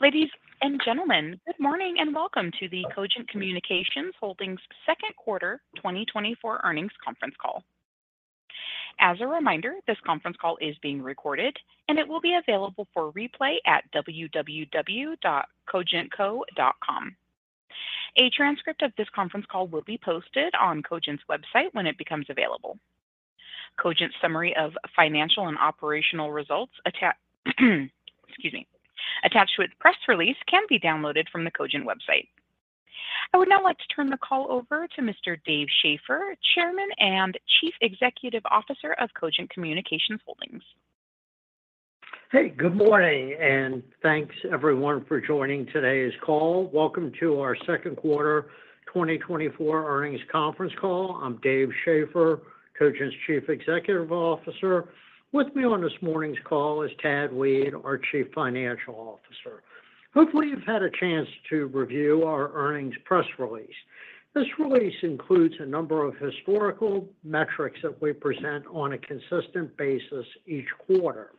Ladies and gentlemen, good morning, and welcome to the Cogent Communications Holdings Q2 2024 earnings conference call. As a reminder, this conference call is being recorded, and it will be available for replay at www.cogentco.com. A transcript of this conference call will be posted on Cogent's website when it becomes available. Cogent's summary of financial and operational results attached to its press release, can be downloaded from the Cogent website. I would now like to turn the call over to Mr. Dave Schaeffer, Chairman and Chief Executive Officer of Cogent Communications Holdings. Hey, good morning, and thanks, everyone, for joining today's call. Welcome to our Q2 2024 earnings conference call. I'm Dave Schaeffer, Cogent's Chief Executive Officer. With me on this morning's call is Tad Weed, our Chief Financial Officer. Hopefully, you've had a chance to review our earnings press release. This release includes a number of historical metrics that we present on a consistent basis each quarter.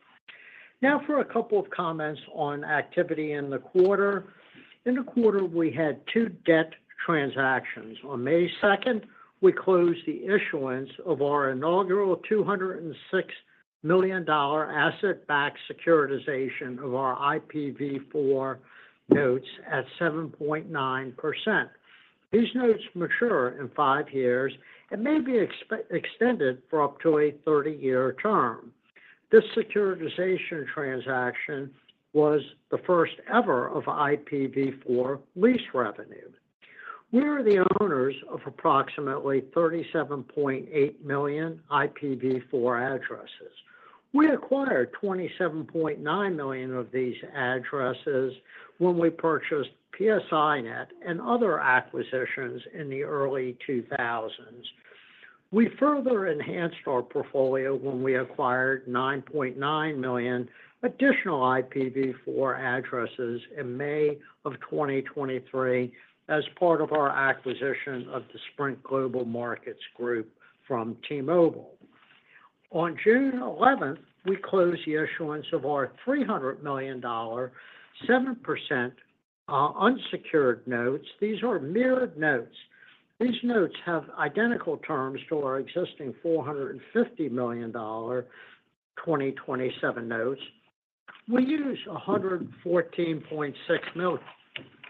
Now, for a couple of comments on activity in the quarter. In the quarter, we had two debt transactions. On May 2, we closed the issuance of our inaugural $206 million asset-backed securitization of our IPv4 notes at 7.9%. These notes mature in 5 years and may be extended for up to a 30-year term. This securitization transaction was the first ever of IPv4 lease revenue. We are the owners of approximately 37.8 million IPv4 addresses. We acquired 27.9 million of these addresses when we purchased PSINet and other acquisitions in the early 2000s. We further enhanced our portfolio when we acquired 9.9 million additional IPv4 addresses in May 2023 as part of our acquisition of the Sprint Global Markets Group from T-Mobile. On June 11, we closed the issuance of our $300 million, 7%, unsecured notes. These are mirrored notes. These notes have identical terms to our existing $450 million 2027 notes. We used $114.6 million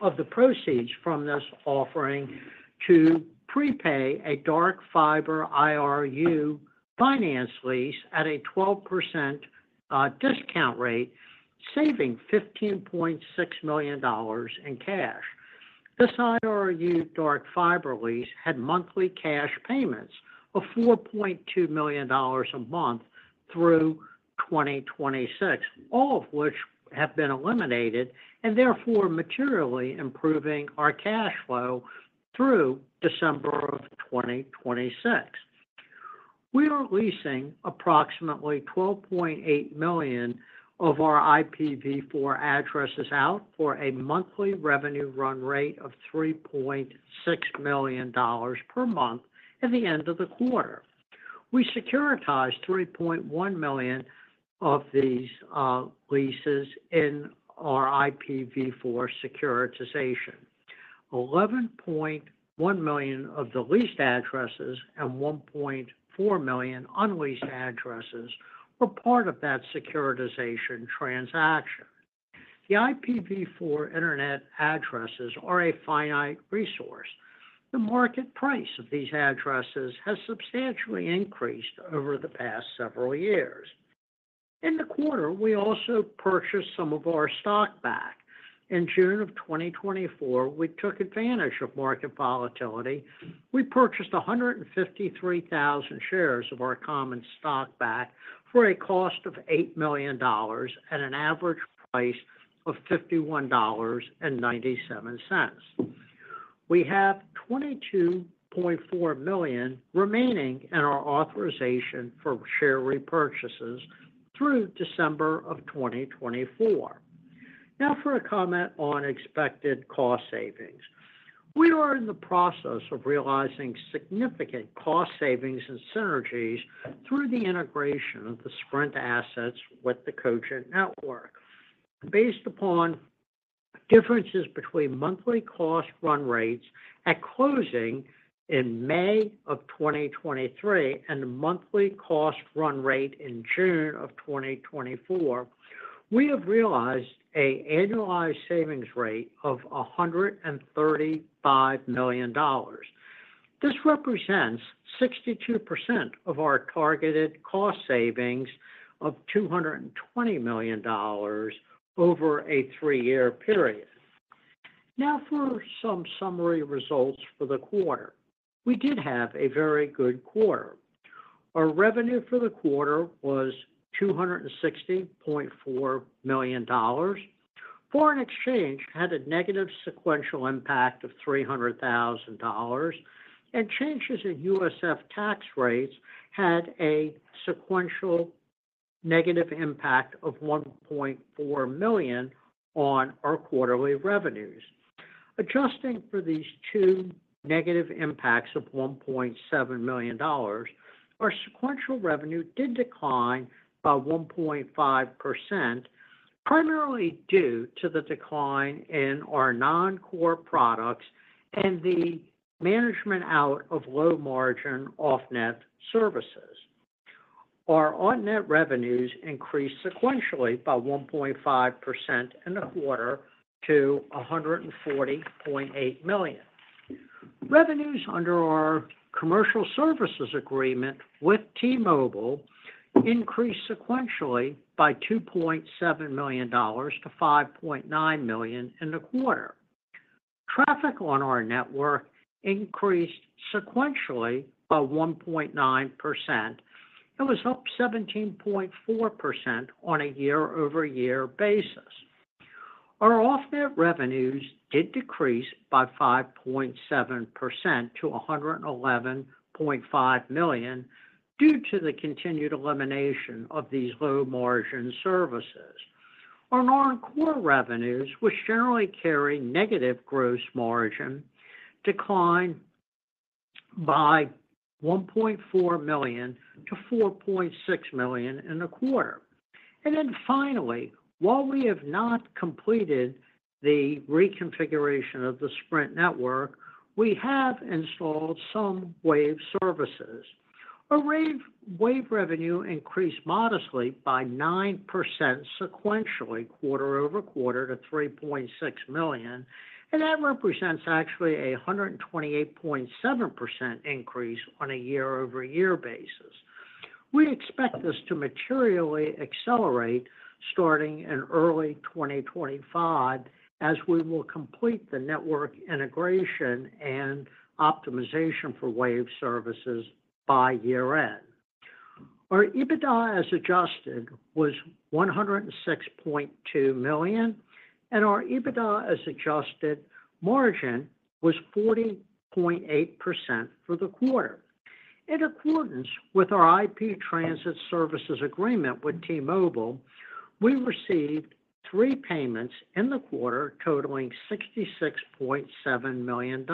of the proceeds from this offering to prepay a dark fiber IRU finance lease at a 12%, discount rate, saving $15.6 million in cash. This IRU dark fiber lease had monthly cash payments of $4.2 million a month through 2026, all of which have been eliminated, and therefore materially improving our cash flow through December of 2026. We are leasing approximately 12.8 million of our IPv4 addresses out for a monthly revenue run rate of $3.6 million per month at the end of the quarter. We securitized 3.1 million of these leases in our IPv4 securitization. 11.1 million of the leased addresses and 1.4 million unleased addresses were part of that securitization transaction. The IPv4 Internet addresses are a finite resource. The market price of these addresses has substantially increased over the past several years. In the quarter, we also purchased some of our stock back. In June of 2024, we took advantage of market volatility. We purchased 153,000 shares of our common stock back for a cost of $8 million at an average price of $51.97. We have $22.4 million remaining in our authorization for share repurchases through December 2024. Now for a comment on expected cost savings. We are in the process of realizing significant cost savings and synergies through the integration of the Sprint assets with the Cogent network. Based upon differences between monthly cost run rates at closing in May 2023 and the monthly cost run rate in June 2024, we have realized an annualized savings rate of $135 million. This represents 62% of our targeted cost savings of $220 million over a three-year period. Now for some summary results for the quarter. We did have a very good quarter. Our revenue for the quarter was $260.4 million. Foreign exchange had a negative sequential impact of $300,000, and changes in USF tax rates had a sequential negative impact of $1.4 million on our quarterly revenues. Adjusting for these two negative impacts of $1.7 million, our sequential revenue did decline by 1.5%, primarily due to the decline in our non-core products and the management out of low margin off-net services. Our on-net revenues increased sequentially by 1.5% in the quarter to $140.8 million. Revenues under our commercial services agreement with T-Mobile increased sequentially by $2.7 million to $5.9 million in the quarter. Traffic on our network increased sequentially by 1.9%. It was up 17.4% on a year-over-year basis. Our off-net revenues did decrease by 5.7% to $111.5 million, due to the continued elimination of these low-margin services. Our non-core revenues, which generally carry negative gross margin, declined by $1.4 million to $4.6 million in the quarter. And then finally, while we have not completed the reconfiguration of the Sprint network, we have installed some wave services. Our wave revenue increased modestly by 9% sequentially, quarter-over-quarter, to $3.6 million, and that represents actually a 128.7% increase on a year-over-year basis. We expect this to materially accelerate starting in early 2025, as we will complete the network integration and optimization for wave services by year-end. Our EBITDA, as adjusted, was $106.2 million, and our EBITDA as adjusted margin was 40.8% for the quarter. In accordance with our IP Transit Services agreement with T-Mobile, we received three payments in the quarter totaling $66.7 million.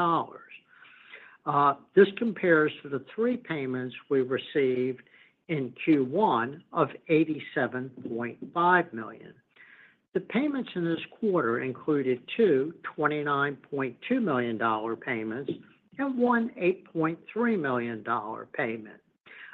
This compares to the three payments we received in Q1 of $87.5 million. The payments in this quarter included two $29.2 million payments and one $8.3 million payment.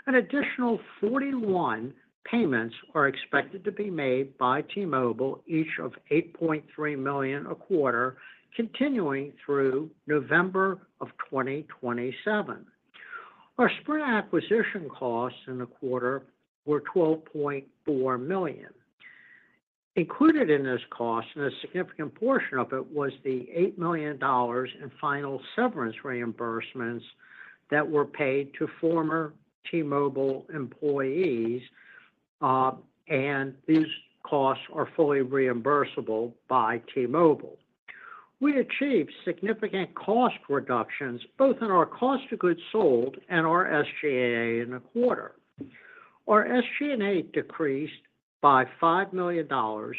An additional 41 payments are expected to be made by T-Mobile, each of $8.3 million a quarter, continuing through November of 2027. Our Sprint acquisition costs in the quarter were $12.4 million. Included in this cost, and a significant portion of it, was the $8 million in final severance reimbursements that were paid to former T-Mobile employees, and these costs are fully reimbursable by T-Mobile. We achieved significant cost reductions, both in our cost of goods sold and our SG&A in the quarter. Our SG&A decreased by $5 million or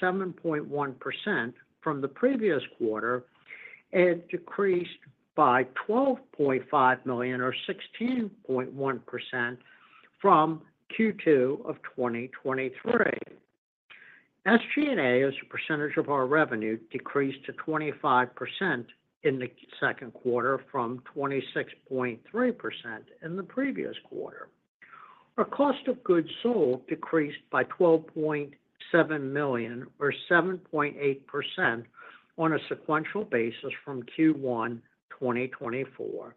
7.1% from the previous quarter, and decreased by $12.5 million or 16.1% from Q2 of 2023. SG&A, as a percentage of our revenue, decreased to 25% in the Q2 from 26.3% in the previous quarter. Our cost of goods sold decreased by $12.7 million or 7.8% on a sequential basis from Q1 2024,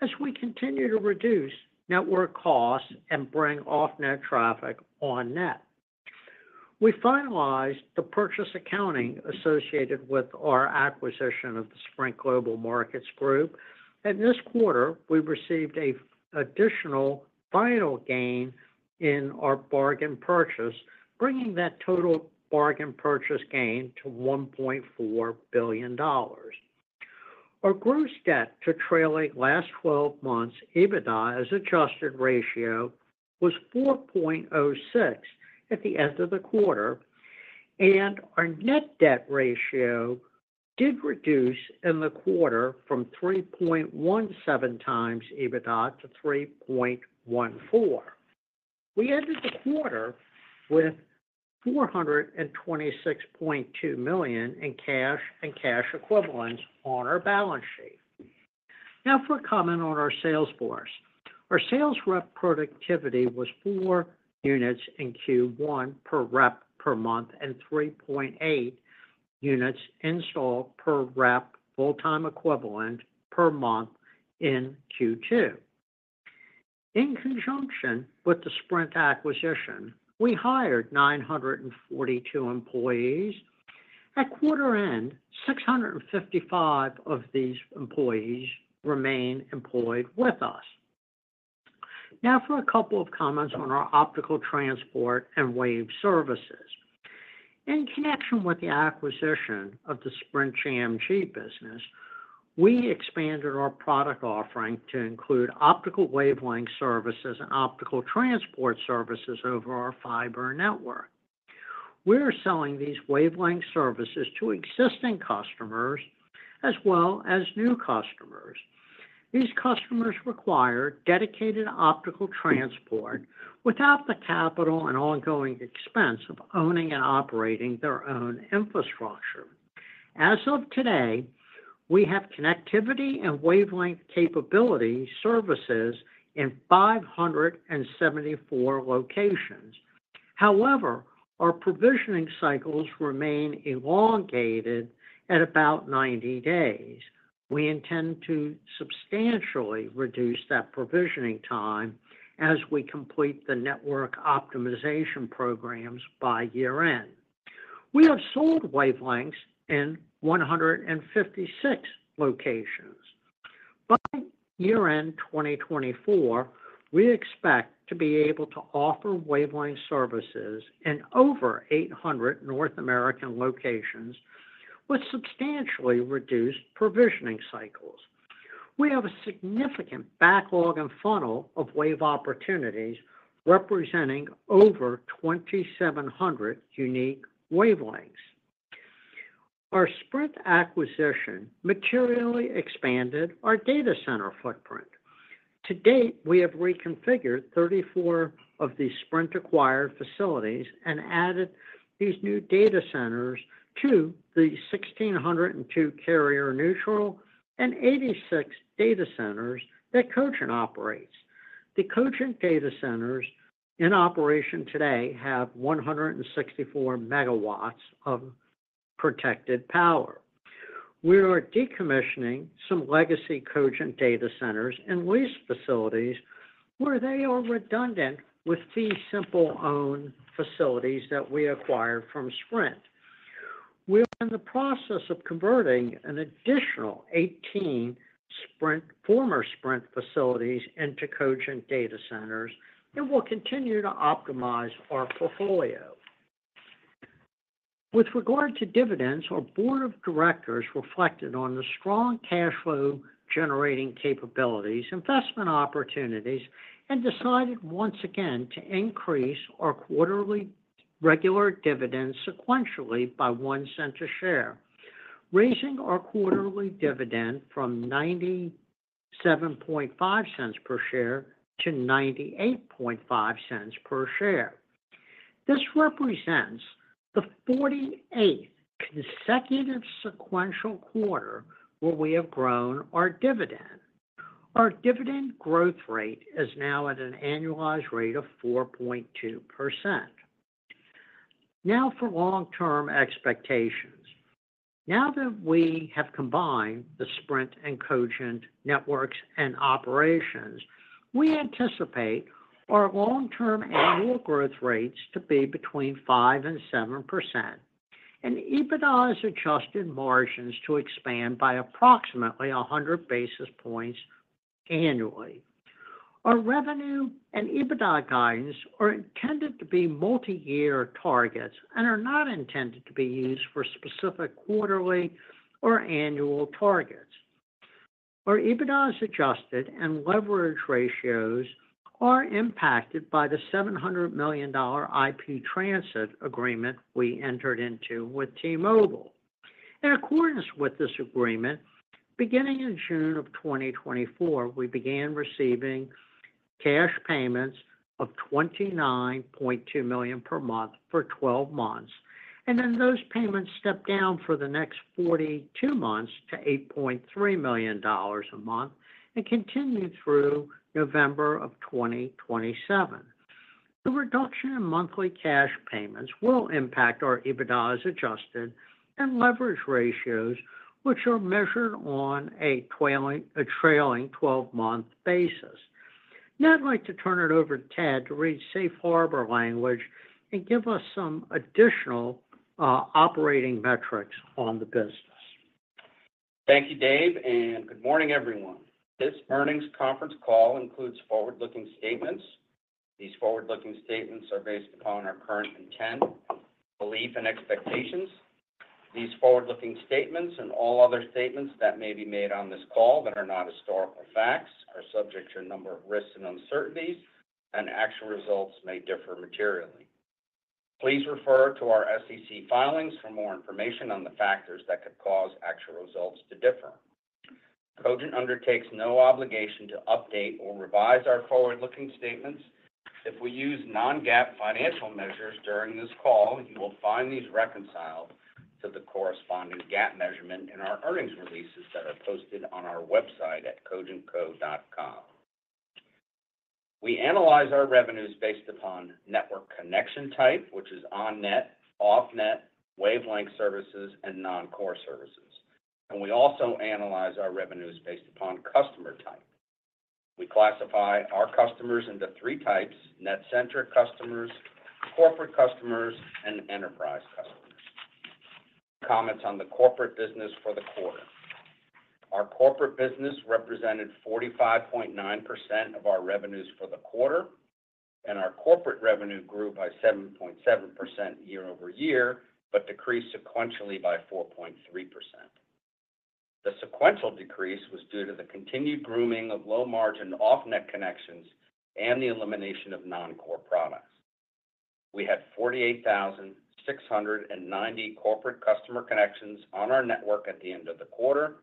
as we continue to reduce network costs and bring off-net traffic on-net. We finalized the purchase accounting associated with our acquisition of the Sprint Global Markets Group, and this quarter we received an additional final gain in our bargain purchase, bringing that total bargain purchase gain to $1.4 billion. Our gross debt to trailing last twelve months EBITDA as adjusted ratio was 4.06 at the end of the quarter, and our net debt ratio did reduce in the quarter from 3.17 times EBITDA to 3.14. We ended the quarter with $426.2 million in cash and cash equivalents on our balance sheet. Now for a comment on our sales force. Our sales rep productivity was four units in Q1 per rep per month, and 3.8 units installed per rep, full-time equivalent per month in Q2. In conjunction with the Sprint acquisition, we hired 942 employees. At quarter end, 655 of these employees remain employed with us. Now for a couple of comments on our optical transport and Wave services. In connection with the acquisition of the Sprint GMG business. We expanded our product offerSprint Global Markets Grouping to include optical wavelength services and optical transport services over our fiber network. We are selling these wavelength services to existing customers as well as new customers. These customers require dedicated optical transport without the capital and ongoing expense of owning and operating their own infrastructure. As of today, we have connectivity and wavelength capability services in 574 locations. However, our provisioning cycles remain elongated at about 90 days. We intend to substantially reduce that provisioning time as we complete the network optimization programs by year-end. We have sold wavelengths in 156 locations. By year-end 2024, we expect to be able to offer wavelength services in over 800 North American locations with substantially reduced provisioning cycles. We have a significant backlog and funnel of wave opportunities, representing over 2,700 unique wavelengths. Our Sprint acquisition materially expanded our data center footprint. To date, we have reconfigured 34 of the Sprint-acquired facilities and added these new data centers to the 1,602 carrier neutral and 86 data centers that Cogent operates. The Cogent data centers in operation today have 164 MW of protected power. We are decommissioning some legacy Cogent data centers and lease facilities, where they are redundant with these simple owned facilities that we acquired from Sprint. We are in the process of converting an additional 18 Sprint—former Sprint facilities into Cogent data centers, and we'll continue to optimize our portfolio. With regard to dividends, our board of directors reflected on the strong cash flow generating capabilities, investment opportunities, and decided once again to increase our quarterly regular dividend sequentially by $0.01 per share, raising our quarterly dividend from $0.975 per share to $0.985 per share. This represents the 48th consecutive sequential quarter where we have grown our dividend. Our dividend growth rate is now at an annualized rate of 4.2%. Now, for long-term expectations. Now that we have combined the Sprint and Cogent networks and operations, we anticipate our long-term annual growth rates to be between 5% and 7%, and EBITDA as adjusted margins to expand by approximately 100 basis points annually. Our revenue and EBITDA guidance are intended to be multi-year targets and are not intended to be used for specific quarterly or annual targets. Our EBITDA is adjusted, and leverage ratios are impacted by the $700 million IP transit agreement we entered into with T-Mobile. In accordance with this agreement, beginning in June 2024, we began receiving cash payments of $29.2 million per month for 12 months, and then those payments step down for the next 42 months to $8.3 million a month and continue through November 2027. The reduction in monthly cash payments will impact our EBITDA as adjusted and leverage ratios, which are measured on a trailing twelve-month basis. Now, I'd like to turn it over to Tad to read safe harbor language and give us some additional operating metrics on the business. Thank you, Dave, and good morning, everyone. This earnings conference call includes forward-looking statements. These forward-looking statements are based upon our current intent, belief, and expectations. These forward-looking statements and all other statements that may be made on this call that are not historical facts, are subject to a number of risks and uncertainties, and actual results may differ materially. Please refer to our SEC filings for more information on the factors that could cause actual results to differ. Cogent undertakes no obligation to update or revise our forward-looking statements. If we use non-GAAP financial measures during this call, you will find these reconciled to the corresponding GAAP measurement in our earnings releases that are posted on our website at cogentco.com. We analyze our revenues based upon network connection type, which is on-net, off-net, wavelength services, and non-core services, and we also analyze our revenues based upon customer type. We classify our customers into three types: NetCentric customers, corporate customers, and enterprise customers. Comments on the corporate business for the quarter. Our corporate business represented 45.9% of our revenues for the quarter... and our corporate revenue grew by 7.7% year-over-year, but decreased sequentially by 4.3%. The sequential decrease was due to the continued grooming of low-margin off-net connections and the elimination of non-core products. We had 48,690 corporate customer connections on our network at the end of the quarter.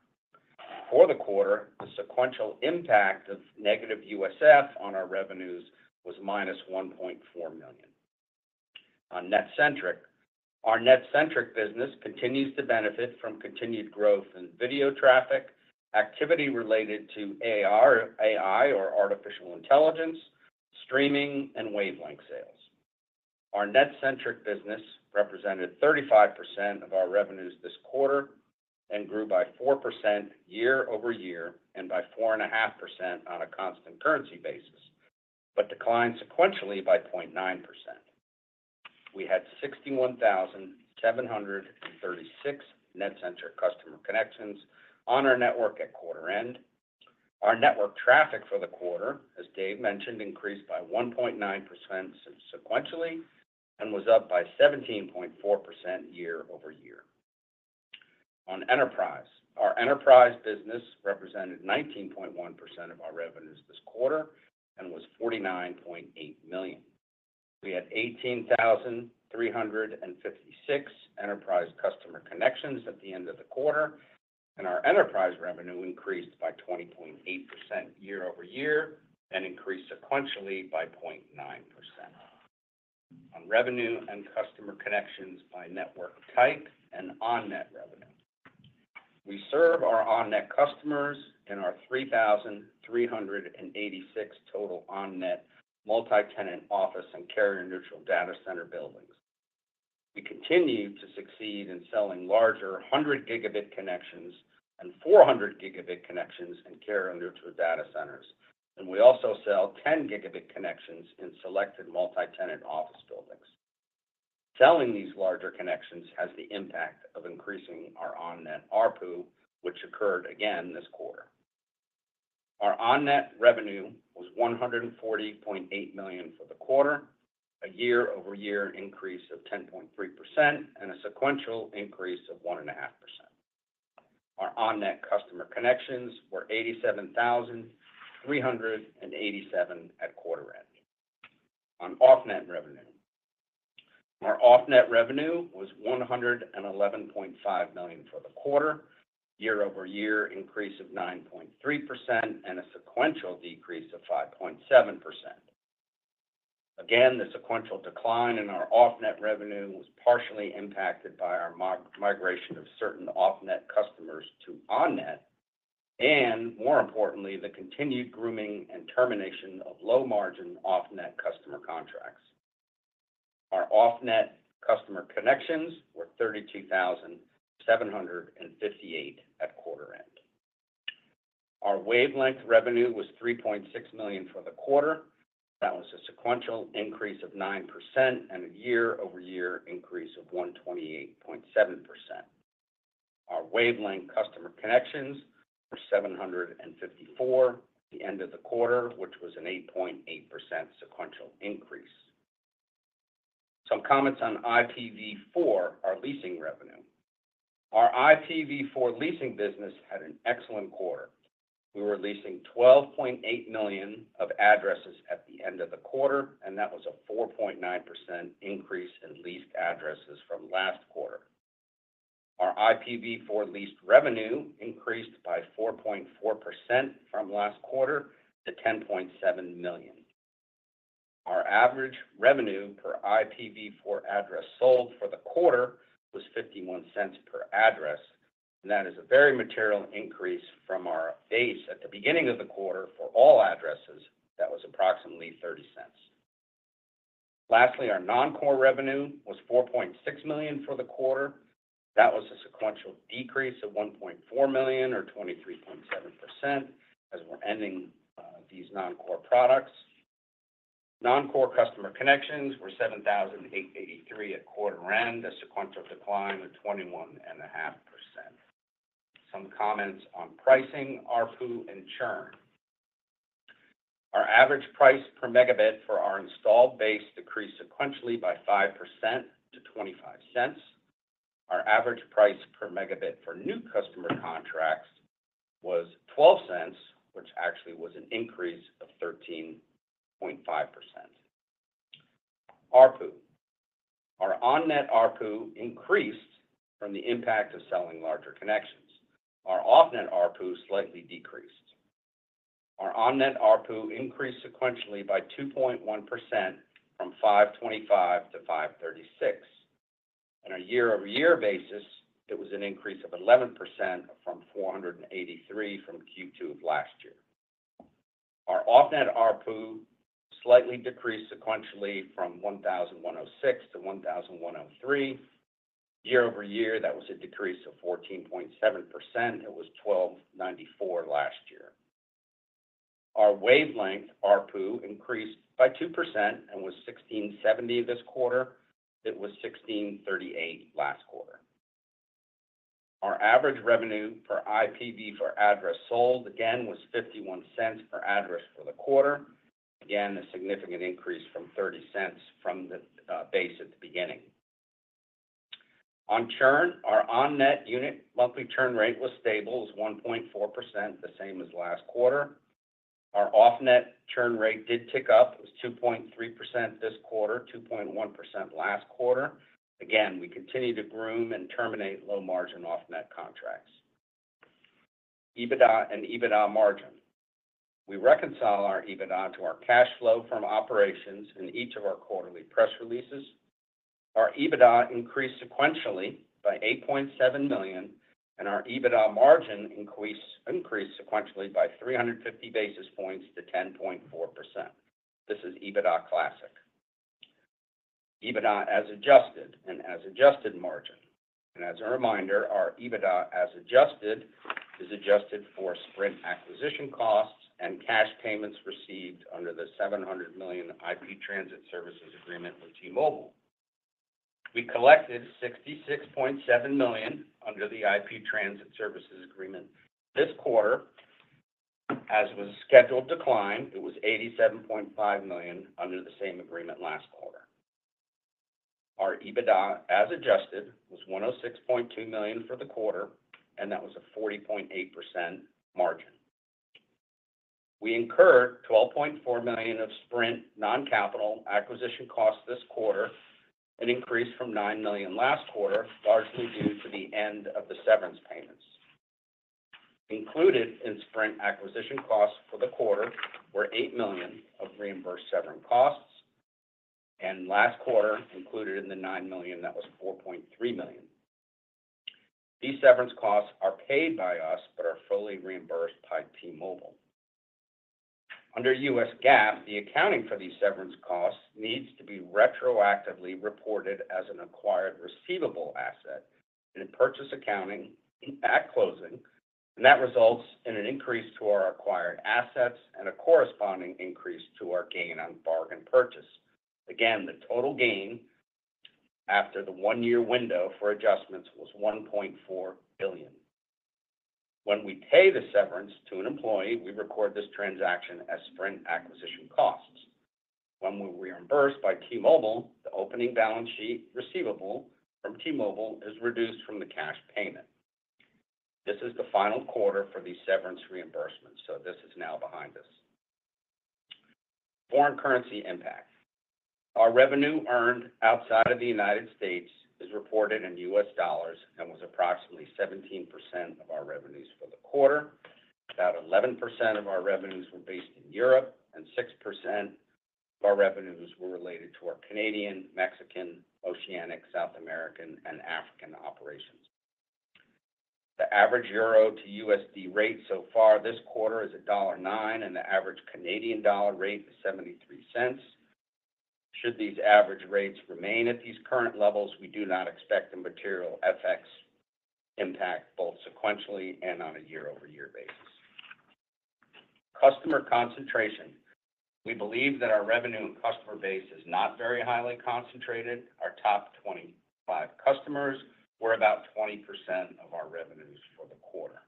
For the quarter, the sequential impact of negative USF on our revenues was -$1.4 million. On NetCentric. Our NetCentric business continues to benefit from continued growth in video traffic, activity related to AR-AI or artificial intelligence, streaming, and wavelength sales. Our NetCentric business represented 35% of our revenues this quarter and grew by 4% year-over-year and by 4.5% on a constant currency basis, but declined sequentially by 0.9%. We had 61,736 NetCentric customer connections on our network at quarter end. Our network traffic for the quarter, as Dave mentioned, increased by 1.9% sequentially and was up by 17.4% year-over-year. On Enterprise. Our Enterprise business represented 19.1% of our revenues this quarter and was $49.8 million. We had 18,356 Enterprise customer connections at the end of the quarter, and our Enterprise revenue increased by 20.8% year-over-year and increased sequentially by 0.9%. On revenue and customer connections by network type and on-net revenue. We serve our on-net customers in our 3,386 total on-net multi-tenant office and carrier-neutral data center buildings. We continue to succeed in selling larger 100-gigabit connections and 400-gigabit connections in carrier-neutral data centers, and we also sell 10-gigabit connections in selected multi-tenant office buildings. Selling these larger connections has the impact of increasing our on-net ARPU, which occurred again this quarter. Our on-net revenue was $140.8 million for the quarter, a year-over-year increase of 10.3%, and a sequential increase of 1.5%. Our on-net customer connections were 87,387 at quarter end. On off-net revenue. Our off-net revenue was $111.5 million for the quarter, year-over-year increase of 9.3%, and a sequential decrease of 5.7%. Again, the sequential decline in our off-net revenue was partially impacted by our migration of certain off-net customers to on-net, and more importantly, the continued grooming and termination of low-margin off-net customer contracts. Our off-net customer connections were 32,758 at quarter end. Our wavelength revenue was $3.6 million for the quarter. That was a sequential increase of 9% and a year-over-year increase of 128.7%. Our wavelength customer connections were 754 at the end of the quarter, which was an 8.8% sequential increase. Some comments on IPv4, our leasing revenue. Our IPv4 leasing business had an excellent quarter. We were leasing 12.8 million of addresses at the end of the quarter, and that was a 4.9% increase in leased addresses from last quarter. Our IPv4 leased revenue increased by 4.4% from last quarter to $10.7 million. Our average revenue per IPv4 address sold for the quarter was $0.51 per address, and that is a very material increase from our base at the beginning of the quarter. For all addresses, that was approximately $0.30. Lastly, our non-core revenue was $4.6 million for the quarter. That was a sequential decrease of $1.4 million, or 23.7%, as we're ending these non-core products. Non-core customer connections were 7,883 at quarter end, a sequential decline of 21.5%. Some comments on pricing, ARPU, and churn. Our average price per megabit for our installed base decreased sequentially by 5% to $0.25. Our average price per megabit for new customer contracts was $0.12, which actually was an increase of 13.5%. ARPU. Our on-net ARPU increased from the impact of selling larger connections. Our off-net ARPU slightly decreased. Our on-net ARPU increased sequentially by 2.1% from $525 to $536. On a year-over-year basis, it was an increase of 11% from $483 from Q2 of last year. Our off-net ARPU slightly decreased sequentially from $1,106 to $1,103. Year-over-year, that was a decrease of 14.7%. It was $1,294 last year. Our wavelength ARPU increased by 2% and was $1,670 this quarter. It was $1,638 last quarter. Our average revenue per IPv4 address sold, again, was $0.51 per address for the quarter. Again, a significant increase from $0.30 from the base at the beginning. On churn, our on-net unit monthly churn rate was stable, it was 1.4%, the same as last quarter. Our off-net churn rate did tick up. It was 2.3% this quarter, 2.1% last quarter. Again, we continue to groom and terminate low-margin off-net contracts. EBITDA and EBITDA margin. We reconcile our EBITDA to our cash flow from operations in each of our quarterly press releases. Our EBITDA increased sequentially by $8.7 million, and our EBITDA margin increased sequentially by 350 basis points to 10.4%. This is EBITDA classic. EBITDA as adjusted and as adjusted margin. As a reminder, our EBITDA as adjusted is adjusted for Sprint acquisition costs and cash payments received under the $700 million IP Transit Services agreement with T-Mobile. We collected $66.7 million under the IP Transit Services agreement this quarter, as was a scheduled decline; it was $87.5 million under the same agreement last quarter. Our EBITDA as adjusted was $106.2 million for the quarter, and that was a 40.8% margin. We incurred $12.4 million of Sprint non-capital acquisition costs this quarter, an increase from $9 million last quarter, largely due to the end of the severance payments. Included in Sprint acquisition costs for the quarter were $8 million of reimbursed severance costs, and last quarter, included in the $9 million, that was $4.3 million. These severance costs are paid by us, but are fully reimbursed by T-Mobile. Under U.S. GAAP, the accounting for these severance costs needs to be retroactively reported as an acquired receivable asset in purchase accounting at closing, and that results in an increase to our acquired assets and a corresponding increase to our gain on bargain purchase. Again, the total gain after the one-year window for adjustments was $1.4 billion. When we pay the severance to an employee, we record this transaction as Sprint acquisition costs. When we're reimbursed by T-Mobile, the opening balance sheet receivable from T-Mobile is reduced from the cash payment. This is the final quarter for these severance reimbursements, so this is now behind us. Foreign currency impact. Our revenue earned outside of the United States is reported in U.S. dollars and was approximately 17% of our revenues for the quarter. About 11% of our revenues were based in Europe, and 6% of our revenues were related to our Canadian, Mexican, Oceanic, South American, and African operations. The average euro to USD rate so far this quarter is $1.09, and the average Canadian dollar rate is $0.73. Should these average rates remain at these current levels, we do not expect a material FX impact, both sequentially and on a year-over-year basis. Customer concentration. We believe that our revenue and customer base is not very highly concentrated. Our top 25 customers were about 20% of our revenues for the quarter.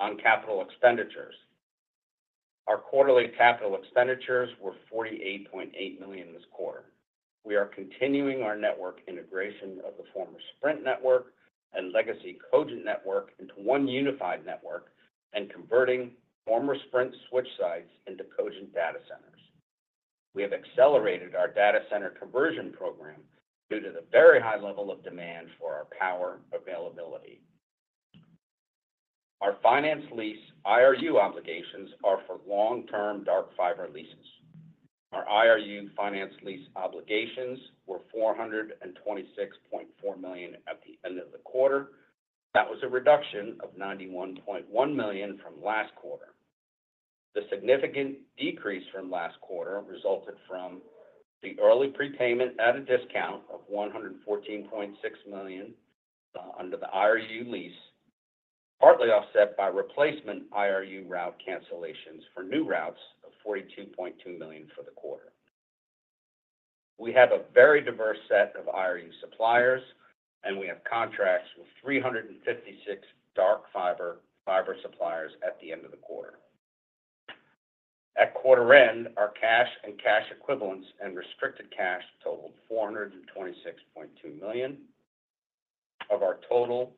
On capital expenditures. Our quarterly capital expenditures were $48.8 million this quarter. We are continuing our network integration of the former Sprint network and legacy Cogent network into one unified network and converting former Sprint switch sites into Cogent data centers. We have accelerated our data center conversion program due to the very high level of demand for our power availability. Our finance lease IRU obligations are for long-term dark fiber leases. Our IRU finance lease obligations were $426.4 million at the end of the quarter. That was a reduction of $91.1 million from last quarter. The significant decrease from last quarter resulted from the early prepayment at a discount of $114.6 million under the IRU lease, partly offset by replacement IRU route cancellations for new routes of $42.2 million for the quarter. We have a very diverse set of IRU suppliers, and we have contracts with 356 dark fiber, fiber suppliers at the end of the quarter. At quarter end, our cash and cash equivalents and restricted cash totaled $426.2 million. Of our total,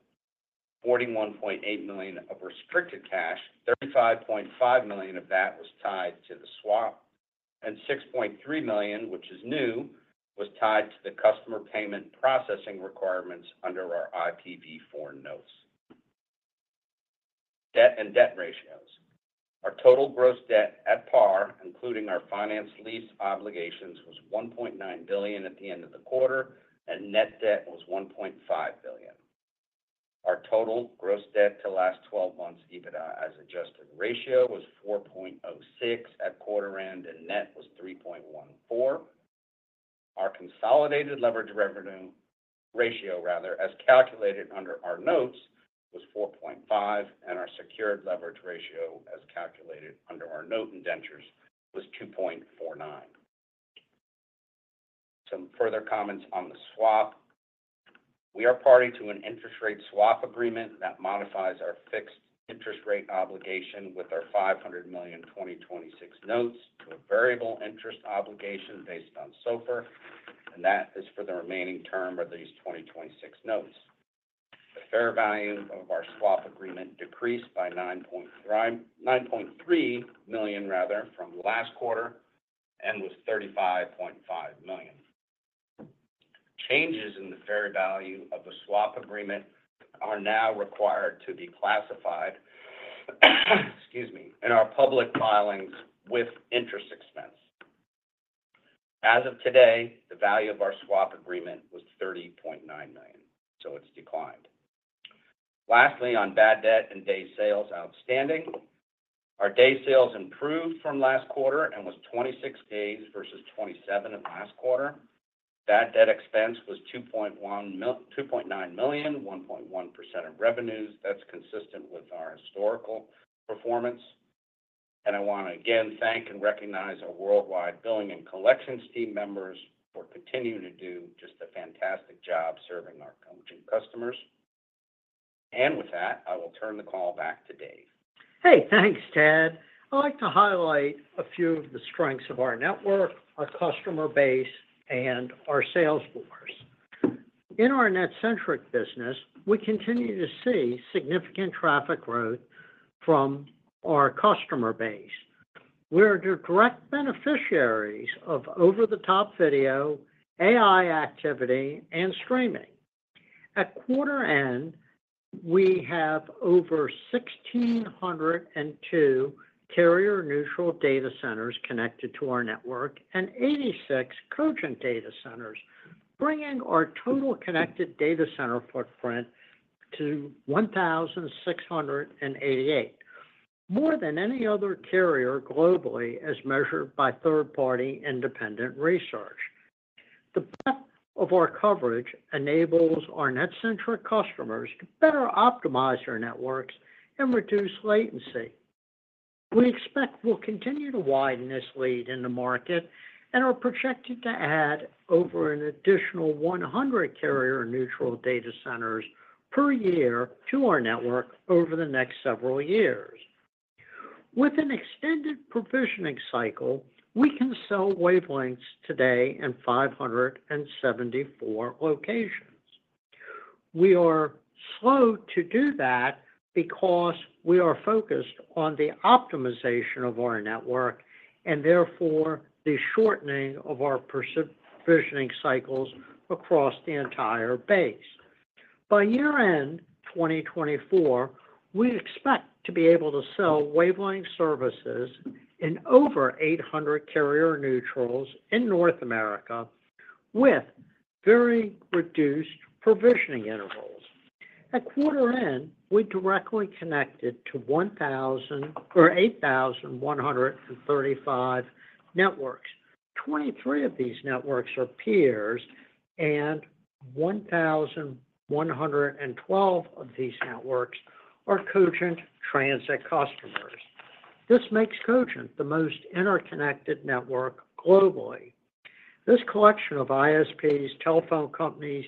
$41.8 million of restricted cash, $35.5 million of that was tied to the swap, and $6.3 million, which is new, was tied to the customer payment processing requirements under our IPv4 notes. Debt and debt ratios. Our total gross debt at par, including our finance lease obligations, was $1.9 billion at the end of the quarter, and net debt was $1.5 billion. Our total gross debt to last twelve months, EBITDA as adjusted ratio, was 4.06 at quarter end, and net was 3.14. Our consolidated leverage ratio rather, as calculated under our notes, was 4.5, and our secured leverage ratio, as calculated under our note indentures, was 2.49. Some further comments on the swap. We are party to an interest rate swap agreement that modifies our fixed interest rate obligation with our $500 million 2026 notes to a variable interest obligation based on SOFR, and that is for the remaining term of these 2026 notes. The fair value of our swap agreement decreased by $9.3 million rather, from last quarter, and was $35.5 million. Changes in the fair value of the swap agreement are now required to be classified, excuse me, in our public filings with interest expense. As of today, the value of our swap agreement was $30.9 million, so it's declined. Lastly, on bad debt and day sales outstanding. Our day sales improved from last quarter and was 26 days versus 27 in last quarter. Bad debt expense was $2.9 million, 1.1% of revenues. That's consistent with our historical performance. And I want to again thank and recognize our worldwide billing and collections team members for continuing to do just a fantastic job serving our Cogent customers. And with that, I will turn the call back to Dave. Hey, thanks, Tad. I'd like to highlight a few of the strengths of our network, our customer base, and our sales force. In our NetCentric business, we continue to see significant traffic growth from our customer base. We're the direct beneficiaries of over-the-top video, AI activity, and streaming. At quarter end, we have over 1,602 carrier-neutral data centers connected to our network, and 86 Cogent data centers, bringing our total connected data center footprint to 1,688. More than any other carrier globally, as measured by third-party independent research. The depth of our coverage enables our NetCentric customers to better optimize their networks and reduce latency. We expect we'll continue to widen this lead in the market and are projected to add over an additional 100 carrier-neutral data centers per year to our network over the next several years. With an extended provisioning cycle, we can sell wavelengths today in 574 locations. We are slow to do that because we are focused on the optimization of our network, and therefore the shortening of our provisioning cycles across the entire base. By year-end, 2024, we expect to be able to sell wavelength services in over 800 carrier neutrals in North America with very reduced provisioning intervals. At quarter end, we directly connected to 1,000-- or 8,135 networks. 23 of these networks are peers, and 1,112 of these networks are Cogent transit customers. This makes Cogent the most interconnected network globally. This collection of ISPs, telephone companies,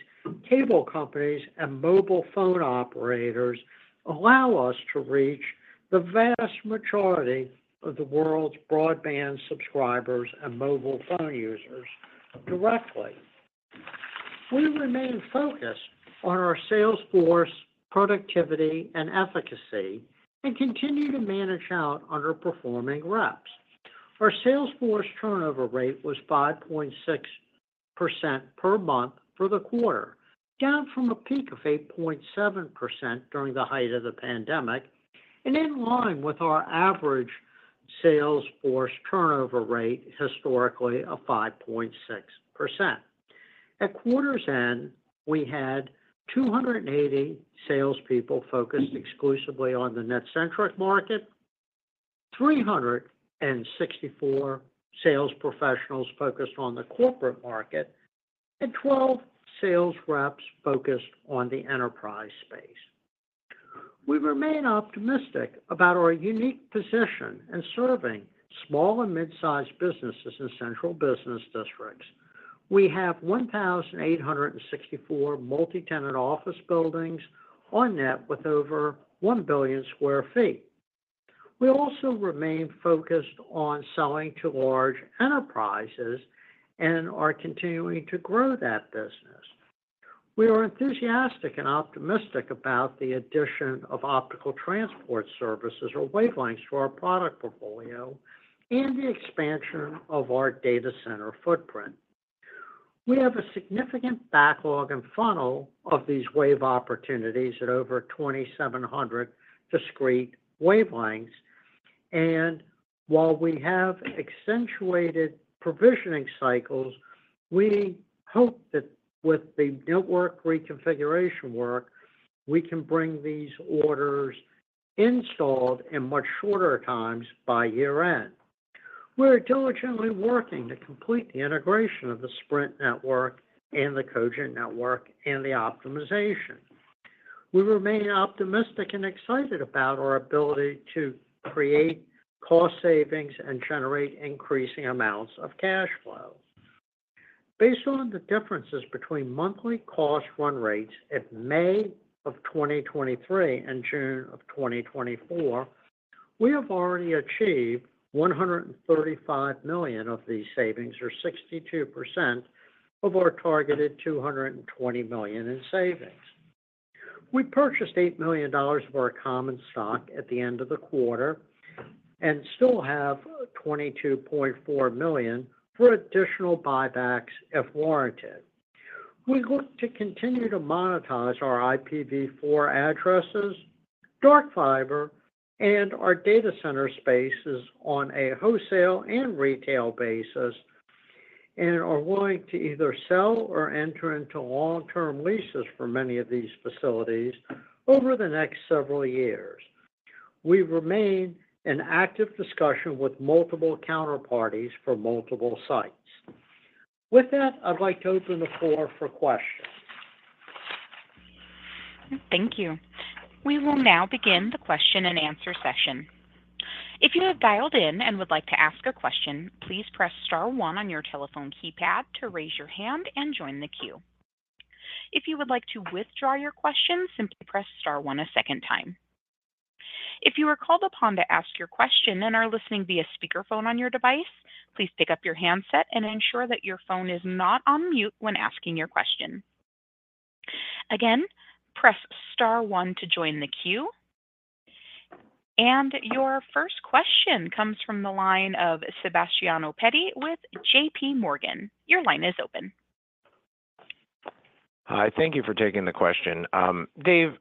cable companies, and mobile phone operators allow us to reach the vast majority of the world's broadband subscribers and mobile phone users directly. We remain focused on our sales force, productivity, and efficacy, and continue to manage out underperforming reps. Our sales force turnover rate was 5.6% per month for the quarter, down from a peak of 8.7% during the height of the pandemic, and in line with our average sales force turnover rate, historically, of 5.6%. At quarter's end, we had 280 salespeople focused exclusively on the NetCentric market, 364 sales professionals focused on the corporate market, and 12 sales reps focused on the enterprise space. We remain optimistic about our unique position in serving small and mid-sized businesses in central business districts. We have 1,864 multi-tenant office buildings on net with over 1 billion sq ft. We also remain focused on selling to large enterprises and are continuing to grow that business. We are enthusiastic and optimistic about the addition of optical transport services or wavelengths to our product portfolio and the expansion of our data center footprint. We have a significant backlog and funnel of these wave opportunities at over 2,700 discrete wavelengths, and while we have accentuated provisioning cycles, we hope that with the network reconfiguration work, we can bring these orders installed in much shorter times by year-end. We're diligently working to complete the integration of the Sprint network and the Cogent network, and the optimization.... We remain optimistic and excited about our ability to create cost savings and generate increasing amounts of cash flow. Based on the differences between monthly cost run rates at May of 2023 and June of 2024, we have already achieved $135 million of these savings, or 62% of our targeted $220 million in savings. We purchased $8 million of our common stock at the end of the quarter, and still have $22.4 million for additional buybacks if warranted. We look to continue to monetize our IPv4 addresses, dark fiber, and our data center spaces on a wholesale and retail basis, and are willing to either sell or enter into long-term leases for many of these facilities over the next several years. We remain in active discussion with multiple counterparties for multiple sites. With that, I'd like to open the floor for questions. Thank you. We will now begin the question and answer session. If you have dialed in and would like to ask a question, please press star one on your telephone keypad to raise your hand and join the queue. If you would like to withdraw your question, simply press star one a second time. If you are called upon to ask your question and are listening via speakerphone on your device, please pick up your handset and ensure that your phone is not on mute when asking your question. Again, press star one to join the queue. And your first question comes from the line of Sebastiano Petti with J.P. Morgan. Your line is open. Hi, thank you for taking the question. Dave,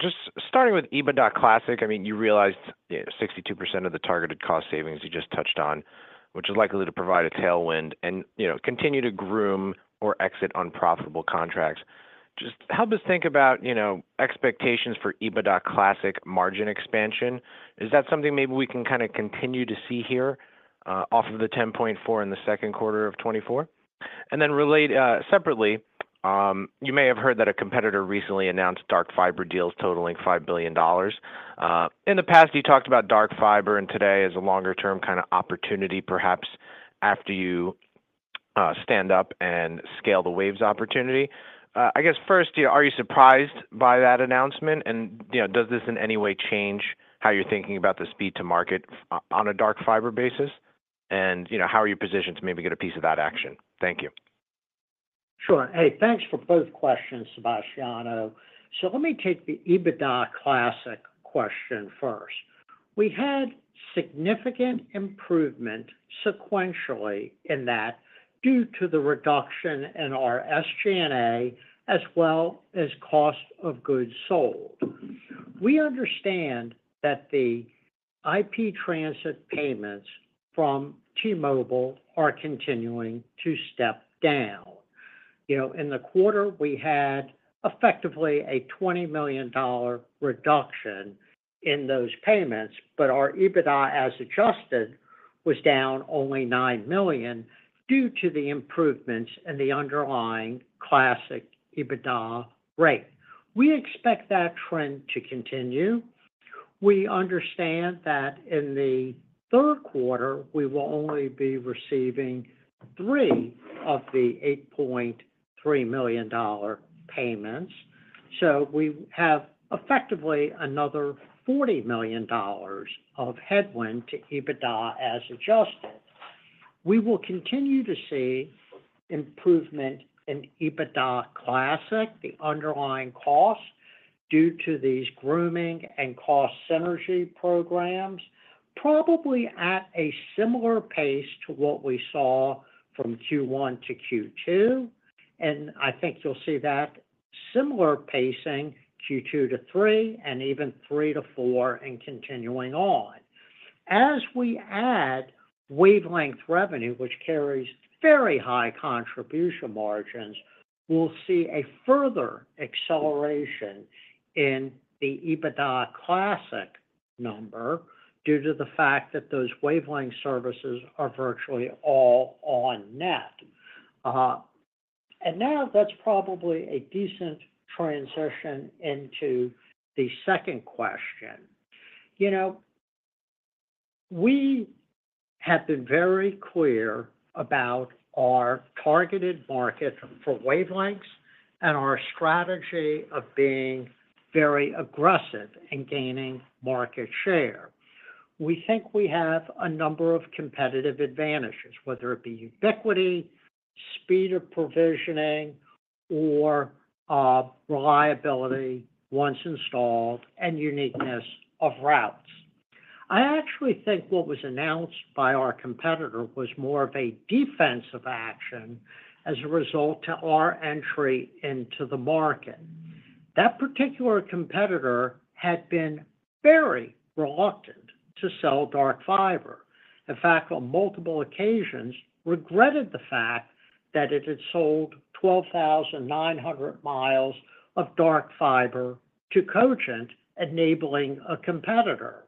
just starting with EBITDA Classic, I mean, you realized 62% of the targeted cost savings you just touched on, which is likely to provide a tailwind and, you know, continue to groom or exit unprofitable contracts. Just help us think about, you know, expectations for EBITDA Classic margin expansion. Is that something maybe we can kinda continue to see here off of the 10.4 in the second quarter of 2024? And then, separately, you may have heard that a competitor recently announced dark fiber deals totaling $5 billion. In the past, you talked about dark fiber, and today as a longer term kind of opportunity, perhaps after you stand up and scale the Waves opportunity. I guess first, are you surprised by that announcement? You know, does this in any way change how you're thinking about the speed to market on a dark fiber basis? You know, how are you positioned to maybe get a piece of that action? Thank you. Sure. Hey, thanks for both questions, Sebastiano. So let me take the EBITDA Classic question first. We had significant improvement sequentially in that, due to the reduction in our SG&A, as well as cost of goods sold. We understand that the IP transit payments from T-Mobile are continuing to step down. You know, in the quarter, we had effectively a $20 million reduction in those payments, but our EBITDA, as adjusted, was down only $9 million due to the improvements in the underlying classic EBITDA rate. We expect that trend to continue. We understand that in the Q3, we will only be receiving three of the $8.3 million payments, so we have effectively another $40 million of headwind to EBITDA as adjusted. We will continue to see improvement in EBITDA Classic, the underlying cost, due to these grooming and cost synergy programs, probably at a similar pace to what we saw from Q1 to Q2, and I think you'll see that similar pacing Q2 to Q3, and even Q3 to Q4, and continuing on. As we add wavelength revenue, which carries very high contribution margins, we'll see a further acceleration in the EBITDA Classic number due to the fact that those wavelength services are virtually all on net. And now that's probably a decent transition into the second question. You know, we have been very clear about our targeted market for wavelengths and our strategy of being very aggressive in gaining market share. We think we have a number of competitive advantages, whether it be ubiquity, speed of provisioning, or reliability once installed, and uniqueness of routes. I actually think what was announced by our competitor was more of a defensive action as a result to our entry into the market. That particular competitor had been very reluctant to sell dark fiber. In fact, on multiple occasions, regretted the fact that it had sold 12,900 miles of dark fiber to Cogent, enabling a competitor....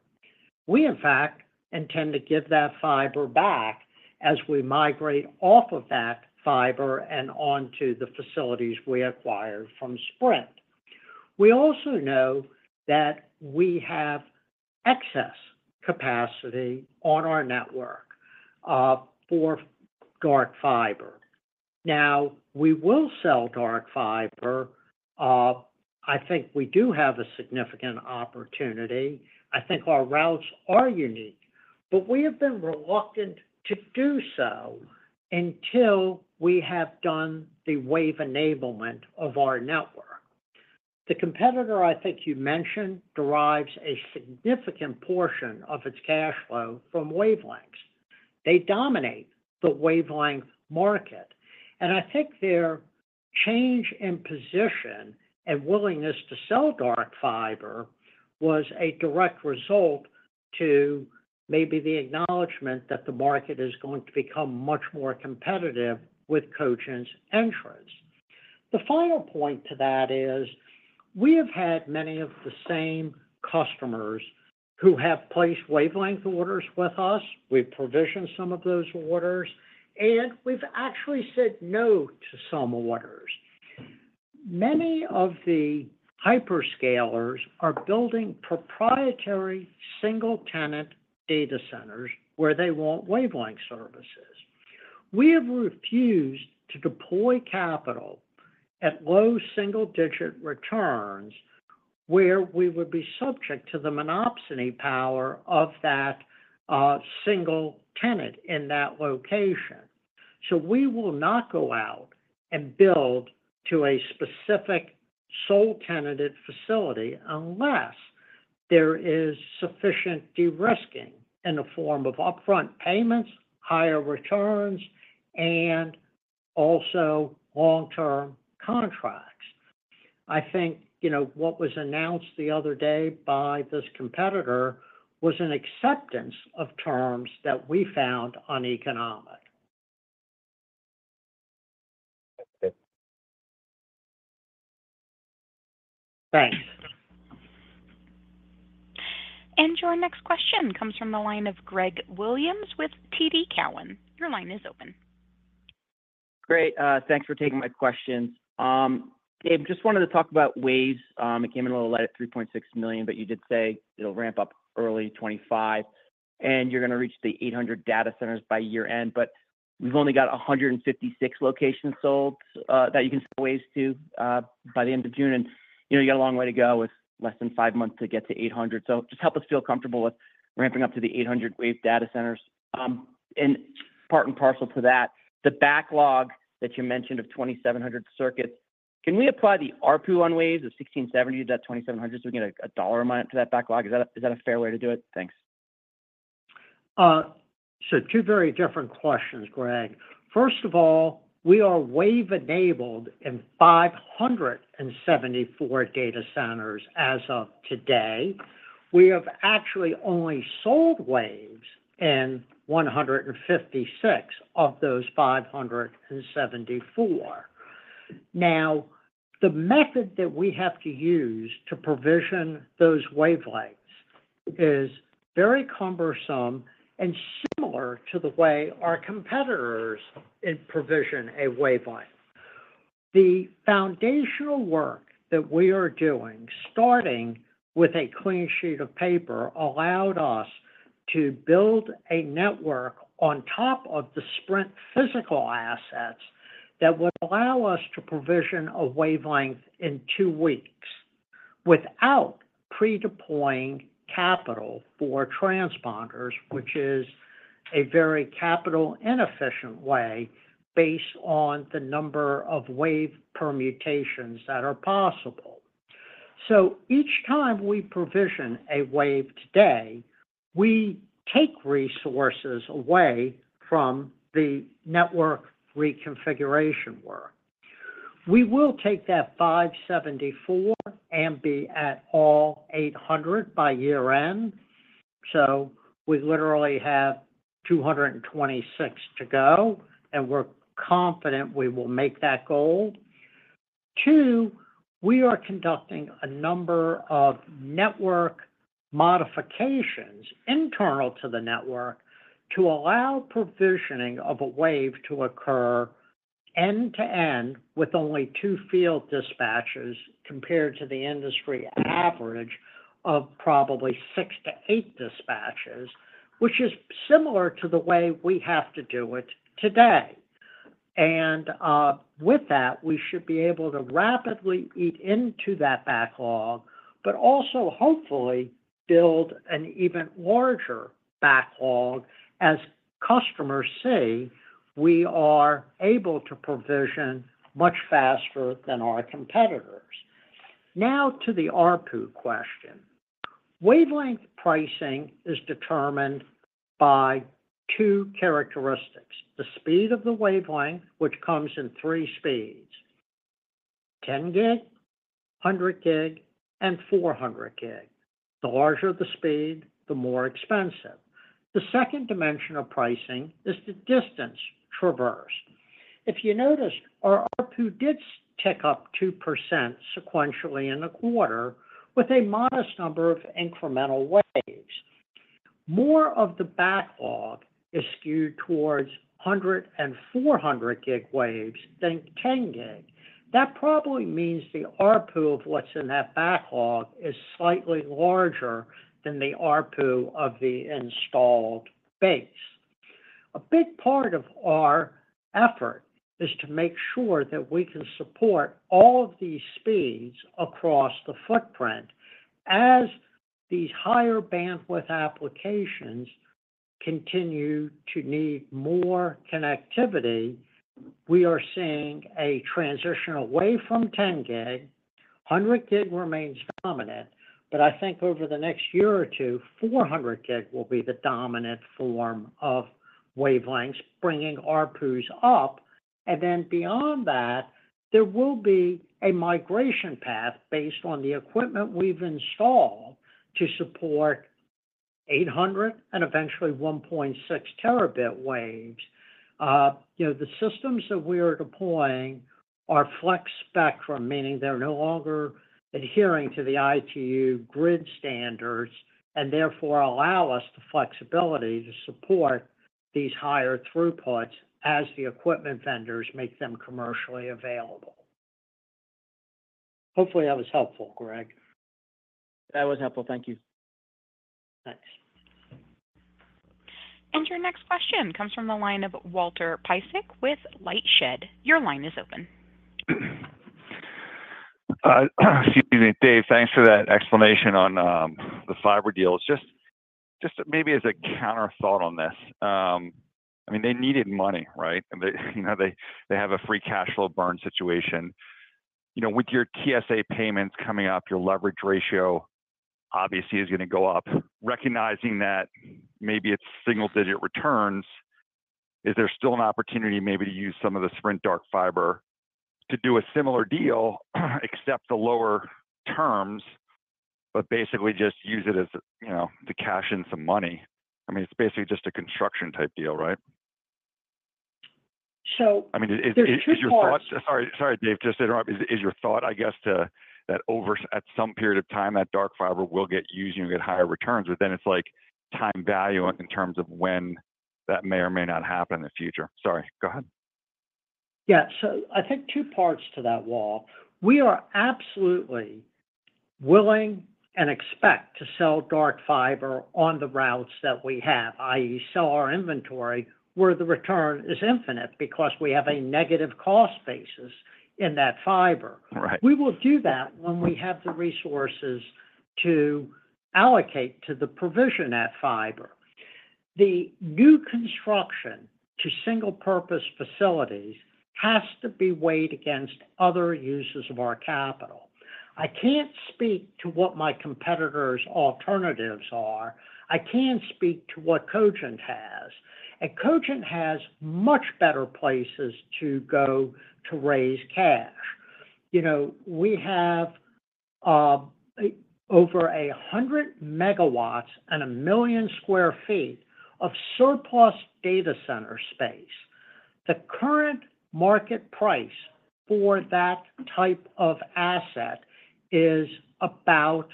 We, in fact, intend to give that fiber back as we migrate off of that fiber and onto the facilities we acquired from Sprint. We also know that we have excess capacity on our network for dark fiber. Now, we will sell dark fiber. I think we do have a significant opportunity. I think our routes are unique, but we have been reluctant to do so until we have done the WAVE enablement of our network. The competitor I think you mentioned, derives a significant portion of its cash flow from wavelengths. They dominate the wavelength market, and I think their change in position and willingness to sell dark fiber was a direct result to maybe the acknowledgement that the market is going to become much more competitive with Cogent's entrance. The final point to that is, we have had many of the same customers who have placed wavelength orders with us. We've provisioned some of those orders, and we've actually said no to some orders. Many of the hyperscalers are building proprietary single-tenant data centers where they want wavelength services. We have refused to deploy capital at low single-digit returns, where we would be subject to the monopsony power of that, single tenant in that location. So we will not go out and build to a specific sole tenanted facility, unless there is sufficient de-risking in the form of upfront payments, higher returns, and also long-term contracts. I think, you know, what was announced the other day by this competitor was an acceptance of terms that we found uneconomic. That's it. Thanks. And your next question comes from the line of Greg Williams with TD Cowen. Your line is open. Great, thanks for taking my questions. Dave, just wanted to talk about Waves. It came in a little light at $3.6 million, but you did say it'll ramp up early 2025, and you're going to reach the 800 data centers by year-end. But we've only got 156 locations sold that you can sell Waves to by the end of June, and, you know, you got a long way to go with less than 5 months to get to 800. So just help us feel comfortable with ramping up to the 800 Wave data centers. And part and parcel to that, the backlog that you mentioned of 2,700 circuits, can we apply the ARPU on Waves of $1,670 to that 2,700, so we get a, a $1 a month to that backlog? Is that a, is that a fair way to do it? Thanks. So two very different questions, Greg. First of all, we are WAVE-enabled in 574 data centers as of today. We have actually only sold Waves in 156 of those 574. Now, the method that we have to use to provision those wavelengths is very cumbersome and similar to the way our competitors provision a wavelength. The foundational work that we are doing, starting with a clean sheet of paper, allowed us to build a network on top of the Sprint physical assets that would allow us to provision a wavelength in 2 weeks, without pre-deploying capital for transponders, which is a very capital inefficient way, based on the number of WAVE permutations that are possible. So each time we provision a WAVE today, we take resources away from the network reconfiguration work. We will take that 574 and be at 800 by year-end, so we literally have 226 to go, and we're confident we will make that goal. Two, we are conducting a number of network modifications internal to the network to allow provisioning of a WAVE to occur end-to-end with only 2 field dispatches, compared to the industry average of probably 6-8 dispatches, which is similar to the way we have to do it today. And with that, we should be able to rapidly eat into that backlog, but also hopefully build an even larger backlog, as customers see we are able to provision much faster than our competitors. Now, to the ARPU question. Wavelength pricing is determined by two characteristics: the speed of the wavelength, which comes in three speeds, 10 gig, 100 gig, and 400 gig. The larger the speed, the more expensive. The second dimension of pricing is the distance traversed.... If you notice, our ARPU did tick up 2% sequentially in the quarter with a modest number of incremental waves. More of the backlog is skewed towards 100- and 400-gig waves than 10-gig. That probably means the ARPU of what's in that backlog is slightly larger than the ARPU of the installed base. A big part of our effort is to make sure that we can support all of these speeds across the footprint. As these higher bandwidth applications continue to need more connectivity, we are seeing a transition away from 10-gig. 100-gig remains dominant, but I think over the next year or two, 400-gig will be the dominant form of wavelengths, bringing ARPUs up. And then beyond that, there will be a migration path based on the equipment we've installed to support 800- and eventually 1.6-terabit waves. You know, the systems that we are deploying are flex spectrum, meaning they're no longer adhering to the ITU grid standards, and therefore allow us the flexibility to support these higher throughputs as the equipment vendors make them commercially available. Hopefully, that was helpful, Greg. That was helpful. Thank you. Thanks. Your next question comes from the line of Walter Piecyk with LightShed. Your line is open. Excuse me, Dave, thanks for that explanation on the fiber deals. Just, just maybe as a counter thought on this, I mean, they needed money, right? And they, you know, they, they have a free cash flow burn situation. You know, with your TSA payments coming up, your leverage ratio obviously is gonna go up. Recognizing that maybe it's single-digit returns, is there still an opportunity maybe to use some of the Sprint dark fiber to do a similar deal, except the lower terms, but basically just use it as a, you know, to cash in some money? I mean, it's basically just a construction type deal, right? So there's two parts- I mean, is your thought... Sorry, Dave, just to interrupt. Is your thought, I guess, that over at some period of time, that Dark Fiber will get used and you get higher returns, but then it's like time value in terms of when that may or may not happen in the future? Sorry. Go ahead. Yeah. So I think two parts to that, Wal. We are absolutely willing and expect to sell dark fiber on the routes that we have, i.e., sell our inventory, where the return is infinite because we have a negative cost basis in that fiber. Right. We will do that when we have the resources to allocate to the provision of that fiber. The new construction to single-purpose facilities has to be weighed against other uses of our capital. I can't speak to what my competitors' alternatives are. I can speak to what Cogent has, and Cogent has much better places to go to raise cash. You know, we have over 100 megawatts and 1 million sq ft of surplus data center space. The current market price for that type of asset is about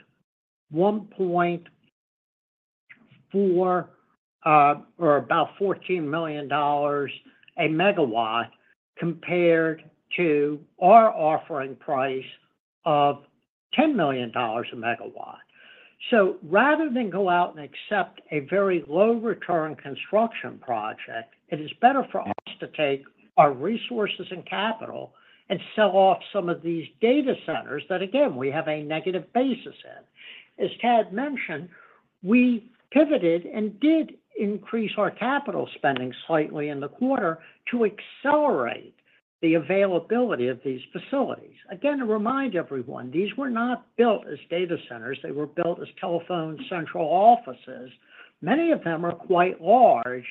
1.4, or about $14 million a megawatt, compared to our offering price of $10 million a megawatt. So rather than go out and accept a very low return construction project, it is better for us to take our resources and capital and sell off some of these data centers that, again, we have a negative basis in. As Tad mentioned, we pivoted and did increase our capital spending slightly in the quarter to accelerate the availability of these facilities. Again, to remind everyone, these were not built as data centers. They were built as telephone central offices. Many of them are quite large,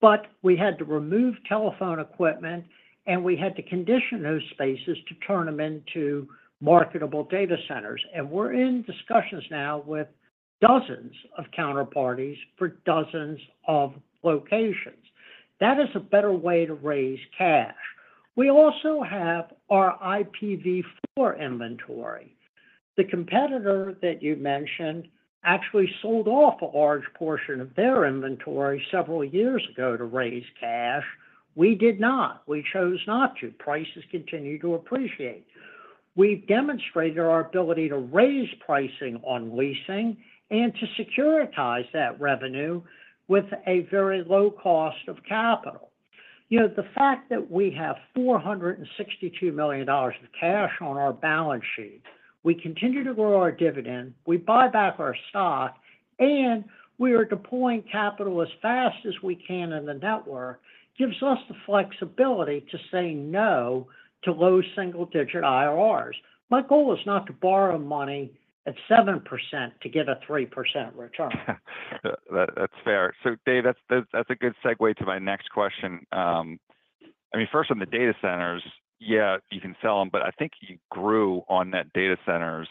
but we had to remove telephone equipment, and we had to condition those spaces to turn them into marketable data centers, and we're in discussions now with dozens of counterparties for dozens of locations. That is a better way to raise cash. We also have our IPv4 inventory. The competitor that you mentioned actually sold off a large portion of their inventory several years ago to raise cash. We did not. We chose not to. Prices continue to appreciate. We've demonstrated our ability to raise pricing on leasing and to securitize that revenue with a very low cost of capital. You know, the fact that we have $462 million of cash on our balance sheet, we continue to grow our dividend, we buy back our stock, and we are deploying capital as fast as we can in the network, gives us the flexibility to say no to low single-digit IRRs. My goal is not to borrow money at 7% to get a 3% return. That's fair. So Dave, that's a good segue to my next question. I mean, first on the data centers, yeah, you can sell them, but I think you grew on net data centers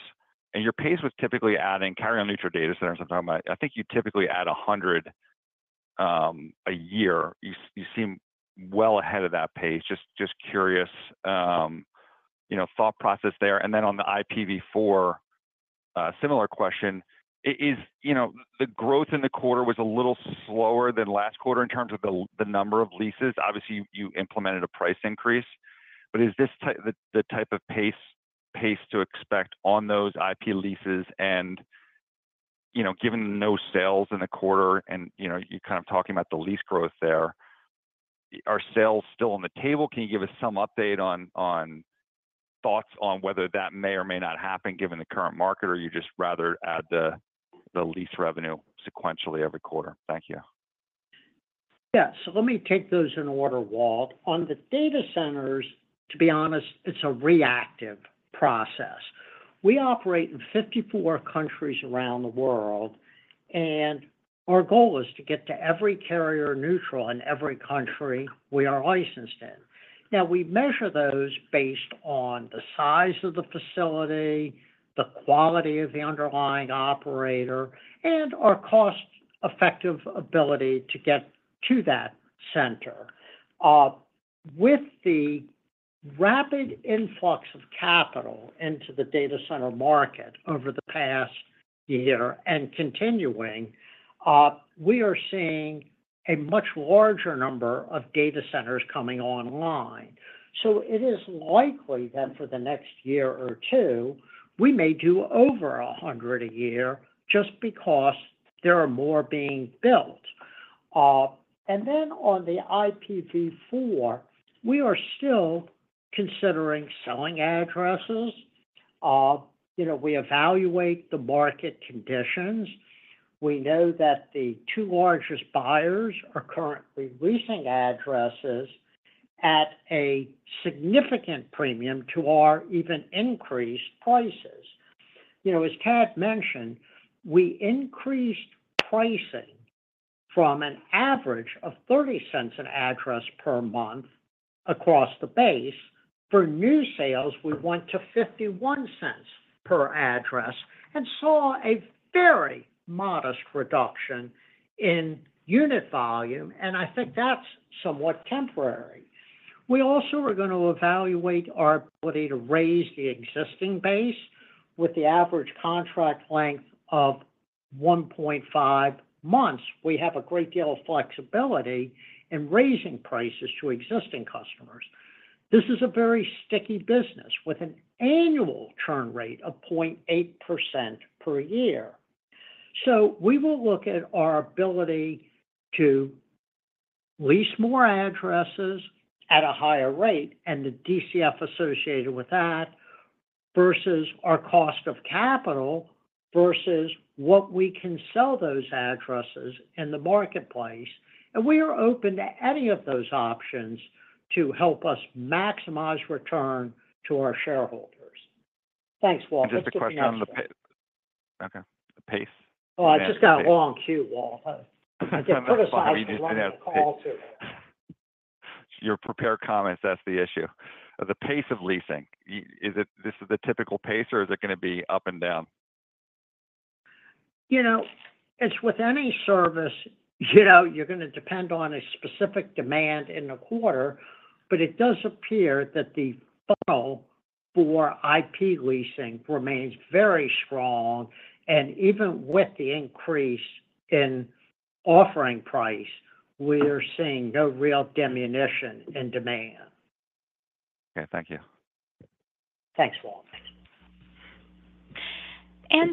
and your pace was typically adding carrier-neutral data center sometime. I think you typically add 100 a year. You seem well ahead of that pace. Just curious, you know, thought process there. And then on the IPv4, similar question, is you know, the growth in the quarter was a little slower than last quarter in terms of the number of leases. Obviously, you implemented a price increase, but is this the type of pace to expect on those IP leases? You know, given no sales in the quarter and, you know, you're kind of talking about the lease growth there, are sales still on the table? Can you give us some update on, on thoughts on whether that may or may not happen given the current market, or you'd just rather add the, the lease revenue sequentially every quarter? Thank you. Yeah. So let me take those in order, Thad. On the data centers, to be honest, it's a reactive process. We operate in 54 countries around the world, and our goal is to get to every carrier neutral in every country we are licensed in. Now, we measure those based on the size of the facility, the quality of the underlying operator, and our cost-effective ability to get to that center. With the rapid influx of capital into the data center market over the past year and continuing, we are seeing a much larger number of data centers coming online. So it is likely that for the next year or two, we may do over 100 a year just because there are more being built. And then on the IPv4, we are still considering selling addresses. You know, we evaluate the market conditions. We know that the two largest buyers are currently leasing addresses at a significant premium to our even increased prices. You know, as Tad mentioned, we increased pricing from an average of $0.30 per address per month across the base. For new sales, we went to $0.51 per address and saw a very modest reduction in unit volume, and I think that's somewhat temporary. We also are going to evaluate our ability to raise the existing base with the average contract length of 1.5 months. We have a great deal of flexibility in raising prices to existing customers. This is a very sticky business with an annual churn rate of 0.8% per year. We will look at our ability to lease more addresses at a higher rate, and the DCF associated with that, versus our cost of capital, versus what we can sell those addresses in the marketplace. We are open to any of those options to help us maximize return to our shareholders. Thanks, Thad. Just a question on the, okay, the pace. Oh, I just got a long queue, Thad. I get criticized for running the call too. Your prepared comments, that's the issue. The pace of leasing, is it this is the typical pace, or is it gonna be up and down? You know, as with any service, you know, you're gonna depend on a specific demand in the quarter, but it does appear that the funnel for IP leasing remains very strong, and even with the increase in offering price, we are seeing no real diminution in demand. Okay. Thank you. Thanks, Thad.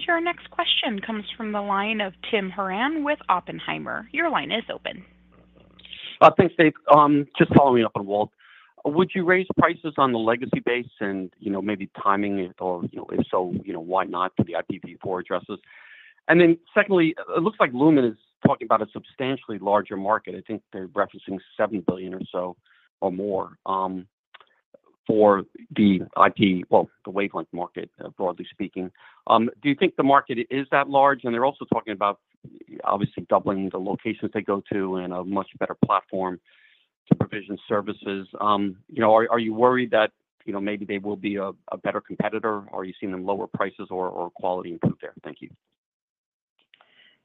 Your next question comes from the line of Tim Horan with Oppenheimer. Your line is open. Thanks, Steve. Just following up on Thad. Would you raise prices on the legacy base and, you know, maybe timing it or, you know, if so, you know, why not for the IPv4 addresses? And then secondly, it looks like Lumen is talking about a substantially larger market. I think they're referencing $70 billion or so, or more, for the IP, well, the wavelength market, broadly speaking. Do you think the market is that large? And they're also talking about obviously doubling the locations they go to and a much better platform to provision services. You know, are you worried that, you know, maybe they will be a better competitor? Are you seeing them lower prices or quality improve there? Thank you.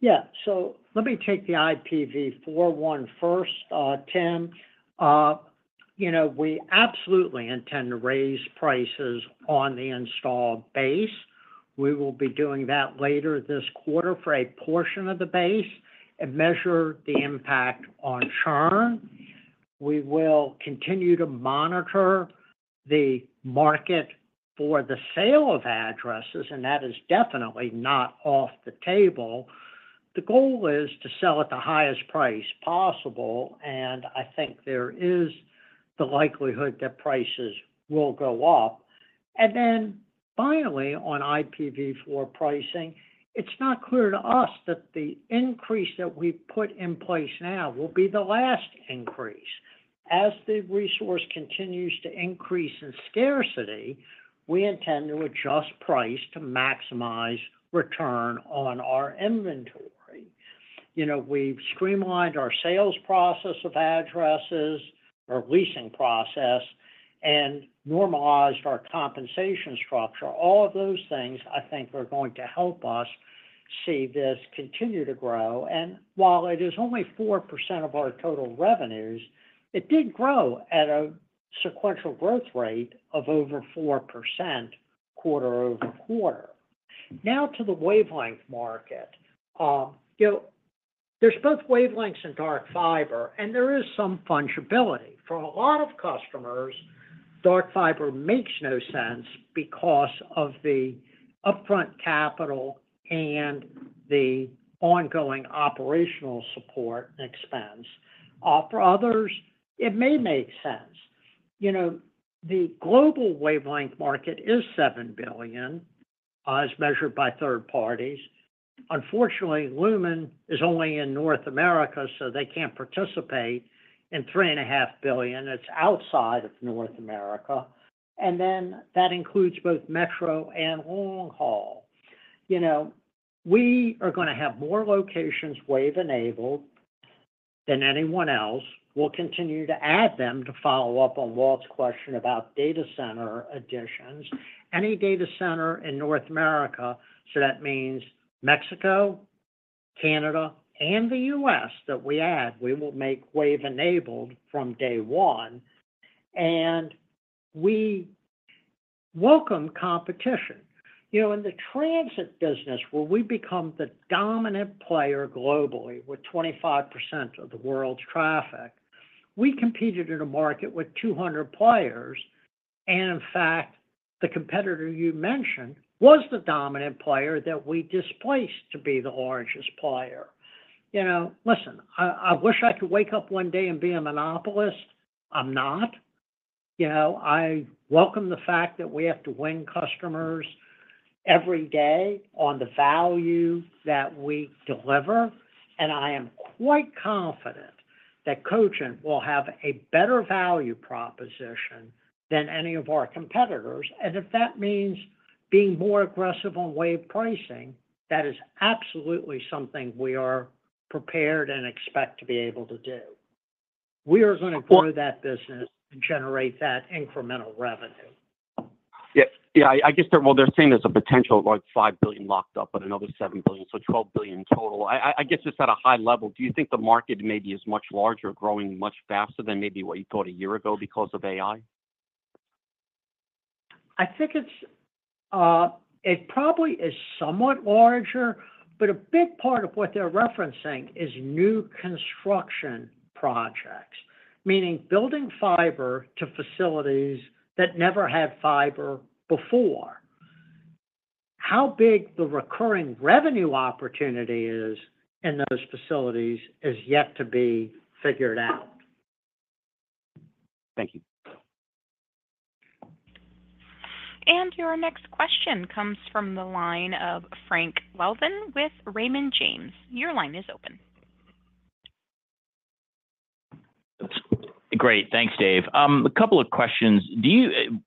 Yeah. So let me take the IPv4 one first, Tim. You know, we absolutely intend to raise prices on the installed base. We will be doing that later this quarter for a portion of the base and measure the impact on churn. We will continue to monitor the market for the sale of addresses, and that is definitely not off the table. The goal is to sell at the highest price possible, and I think there is the likelihood that prices will go up. And then finally, on IPv4 pricing, it's not clear to us that the increase that we've put in place now will be the last increase. As the resource continues to increase in scarcity, we intend to adjust price to maximize return on our inventory. You know, we've streamlined our sales process of addresses, our leasing process, and normalized our compensation structure. All of those things, I think, are going to help us see this continue to grow. And while it is only 4% of our total revenues, it did grow at a sequential growth rate of over 4% quarter-over-quarter. Now, to the wavelength market. You know, there's both wavelengths and dark fiber, and there is some fungibility. For a lot of customers, dark fiber makes no sense because of the upfront capital and the ongoing operational support and expense. For others, it may make sense. You know, the global wavelength market is $7 billion, as measured by third parties. Unfortunately, Lumen is only in North America, so they can't participate in $3.5 billion that's outside of North America, and then that includes both metro and long haul. You know, we are gonna have more locations wave-enabled than anyone else. We'll continue to add them to follow up on Thad's question about data center additions. Any data center in North America, so that means Mexico, Canada, and the U.S., that we add, we will make wave-enabled from day one, and we welcome competition. You know, in the transit business, where we've become the dominant player globally with 25% of the world's traffic, we competed in a market with 200 players, and in fact, the competitor you mentioned was the dominant player that we displaced to be the largest player. You know, listen, I, I wish I could wake up one day and be a monopolist. I'm not. You know, I welcome the fact that we have to win customers every day on the value that we deliver, and I am quite confident that Cogent will have a better value proposition than any of our competitors. If that means being more aggressive on wave pricing, that is absolutely something we are prepared and expect to be able to do. We are gonna grow that business and generate that incremental revenue. Yeah. Yeah, I guess they're, well, they're saying there's a potential, like, $5 billion locked up, but another $7 billion, so $12 billion total. I guess just at a high level, do you think the market maybe is much larger, growing much faster than maybe what you thought a year ago because of AI? I think it's, it probably is somewhat larger, but a big part of what they're referencing is new construction projects, meaning building fiber to facilities that never had fiber before. How big the recurring revenue opportunity is in those facilities is yet to be figured out. Thank you. Your next question comes from the line of Frank Louthan with Raymond James. Your line is open. Great. Thanks, Dave. A couple of questions. Do you...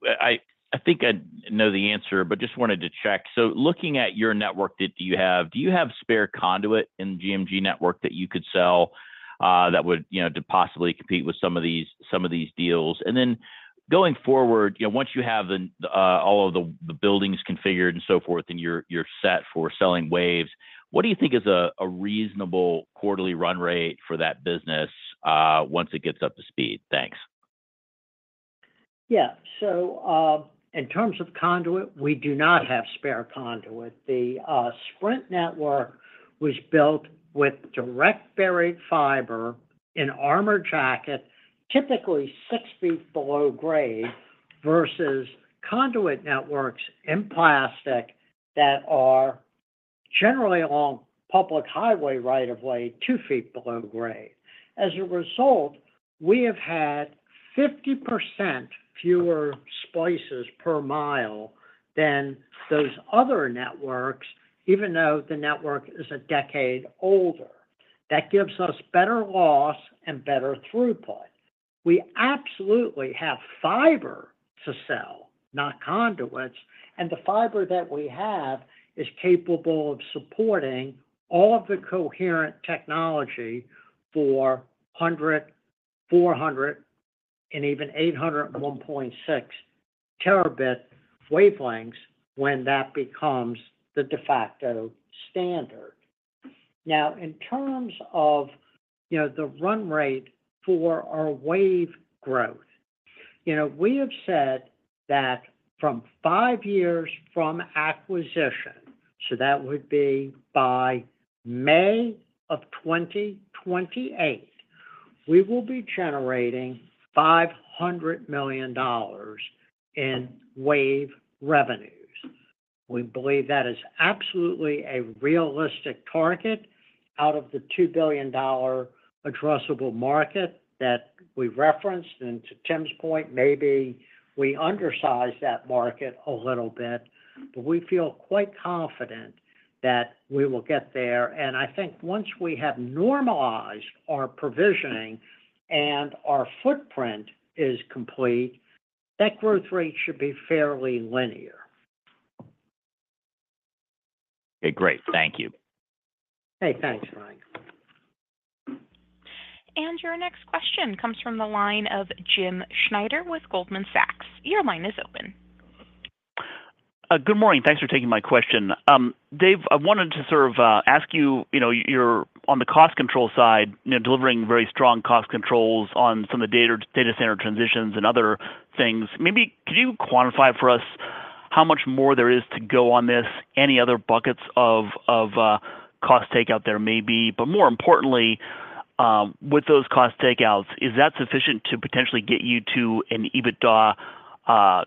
I think I know the answer, but just wanted to check. So looking at your network that you have, do you have spare conduit in the GMG network that you could sell, that would, you know, to possibly compete with some of these, some of these deals? And then going forward, you know, once you have all of the buildings configured and so forth, and you're set for selling waves, what do you think is a reasonable quarterly run rate for that business, once it gets up to speed? Thanks. Yeah. So, in terms of conduit, we do not have spare conduit. The Sprint network was built with direct buried fiber in armored jacket, typically 6 feet below grade, versus conduit networks in plastic that are generally along public highway right of way, 2 feet below grade. As a result, we have had 50% fewer splices per mile than those other networks, even though the network is a decade older. That gives us better loss and better throughput. We absolutely have fiber to sell, not conduits, and the fiber that we have is capable of supporting all of the coherent technology for 100, 400, and even 800 and 1.6 terabit wavelengths when that becomes the de facto standard. Now, in terms of, you know, the run rate for our wave growth, you know, we have said that from 5 years from acquisition, so that would be by May of 2028, we will be generating $500 million in wave revenues. We believe that is absolutely a realistic target out of the $2 billion addressable market that we referenced. And to Tim's point, maybe we undersized that market a little bit, but we feel quite confident that we will get there. And I think once we have normalized our provisioning and our footprint is complete, that growth rate should be fairly linear.... Okay, great. Thank you. Hey, thanks, Mike. Your next question comes from the line of Jim Schneider with Goldman Sachs. Your line is open. Good morning. Thanks for taking my question. Dave, I wanted to sort of ask you, you know, you're on the cost control side, you know, delivering very strong cost controls on some of the data center transitions and other things. Maybe could you quantify for us how much more there is to go on this? Any other buckets of cost takeout there may be, but more importantly, with those cost takeouts, is that sufficient to potentially get you to an EBITDA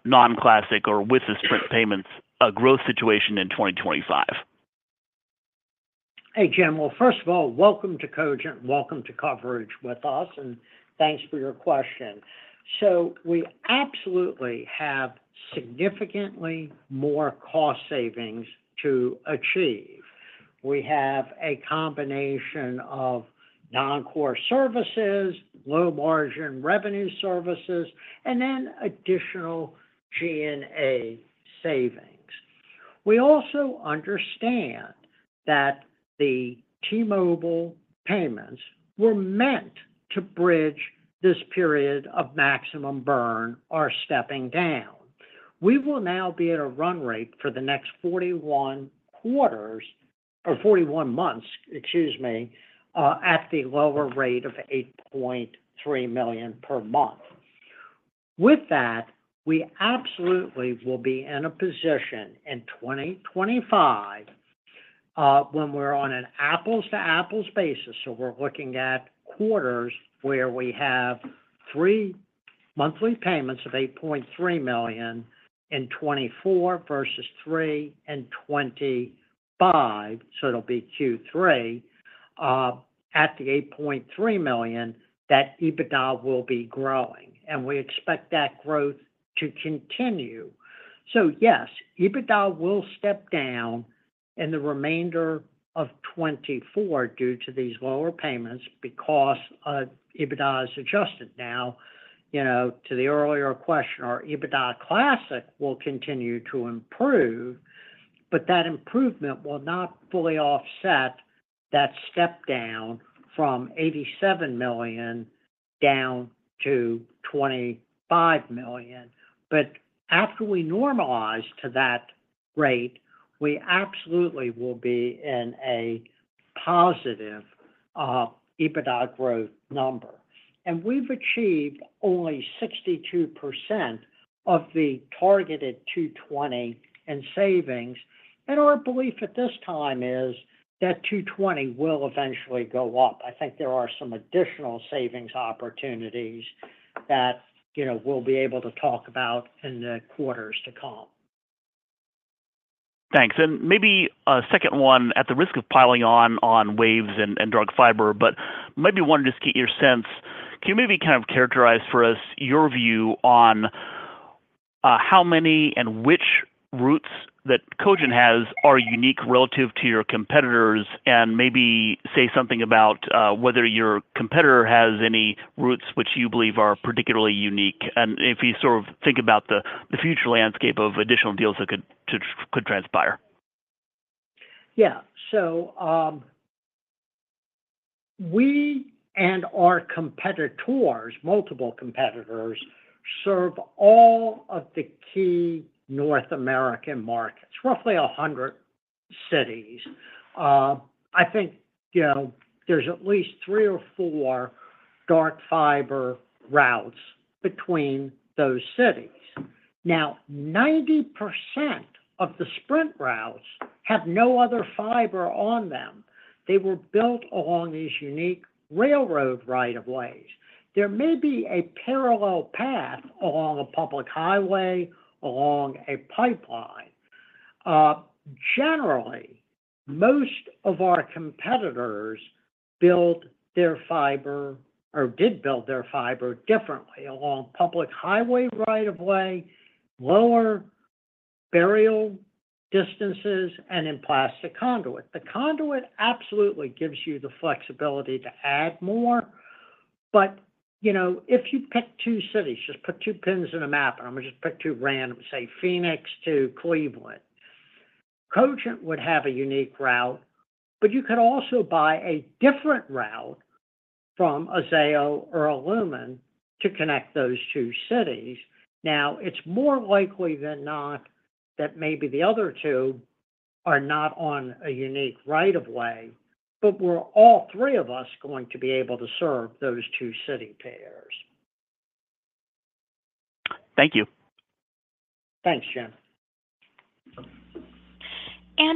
non-classic or with the Sprint payments, a growth situation in 2025? Hey, Jim. Well, first of all, welcome to Cogent, welcome to coverage with us, and thanks for your question. So we absolutely have significantly more cost savings to achieve. We have a combination of non-core services, low margin revenue services, and then additional SG&A savings. We also understand that the T-Mobile payments were meant to bridge this period of maximum burn or stepping down. We will now be at a run rate for the next 41 quarters or 41 months, excuse me, at the lower rate of $8.3 million per month. With that, we absolutely will be in a position in 2025, when we're on an apples-to-apples basis, so we're looking at quarters where we have three monthly payments of $8.3 million in 2024 versus three in 2025, so it'll be Q3 at the $8.3 million, that EBITDA will be growing, and we expect that growth to continue. So yes, EBITDA will step down in the remainder of 2024 due to these lower payments because EBITDA is adjusted now. You know, to the earlier question, our EBITDA Classic will continue to improve, but that improvement will not fully offset that step down from $87 million down to $25 million. But after we normalize to that rate, we absolutely will be in a positive EBITDA growth number. We've achieved only 62% of the targeted $220 in savings, and our belief at this time is that $220 will eventually go up. I think there are some additional savings opportunities that, you know, we'll be able to talk about in the quarters to come. Thanks. Maybe a second one, at the risk of piling on, on waves and dark fiber, but maybe want to just get your sense. Can you maybe kind of characterize for us your view on how many and which routes that Cogent has are unique relative to your competitors? And maybe say something about whether your competitor has any routes which you believe are particularly unique, and if you sort of think about the future landscape of additional deals that could transpire. Yeah. So, we and our competitors, multiple competitors, serve all of the key North American markets, roughly 100 cities. I think, you know, there's at least 3 or 4 dark fiber routes between those cities. Now, 90% of the Sprint routes have no other fiber on them. They were built along these unique railroad right of ways. There may be a parallel path along a public highway, along a pipeline. Generally, most of our competitors build their fiber or did build their fiber differently along public highway right of way, lower burial distances, and in plastic conduit. The conduit absolutely gives you the flexibility to add more, but, you know, if you pick two cities, just put two pins in a map, and I'm going to just pick two random, say, Phoenix to Cleveland. Cogent would have a unique route, but you could also buy a different route from Zayo or Lumen to connect those two cities. Now, it's more likely than not that maybe the other two are not on a unique right-of-way, but we're all three of us going to be able to serve those two city pairs. Thank you. Thanks, Jim.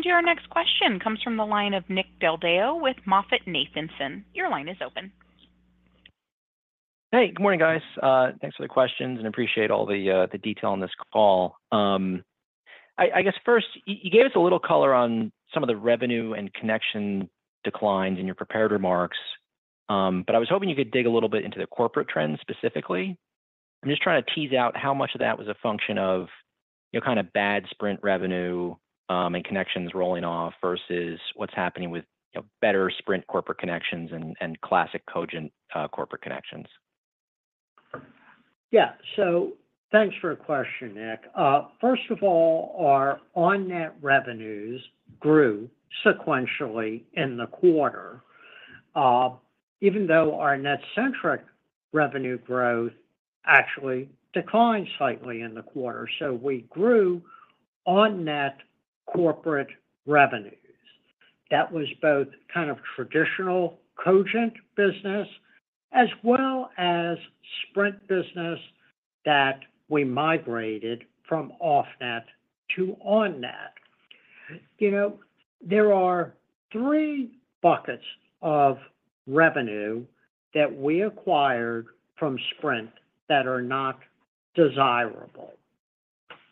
Your next question comes from the line of Nick Del Deo with MoffettNathanson. Your line is open. Hey, good morning, guys. Thanks for the questions, and appreciate all the detail on this call. I guess first, you gave us a little color on some of the revenue and connection declines in your prepared remarks, but I was hoping you could dig a little bit into the corporate trends specifically. I'm just trying to tease out how much of that was a function of, you know, kind of bad Sprint revenue and connections rolling off versus what's happening with, you know, better Sprint corporate connections and classic Cogent corporate connections.... Yeah. So thanks for your question, Nick. First of all, our on-net revenues grew sequentially in the quarter, even though our NetCentric revenue growth actually declined slightly in the quarter. So we grew on-net corporate revenues. That was both kind of traditional Cogent business, as well as Sprint business that we migrated from off-net to on-net. You know, there are three buckets of revenue that we acquired from Sprint that are not desirable.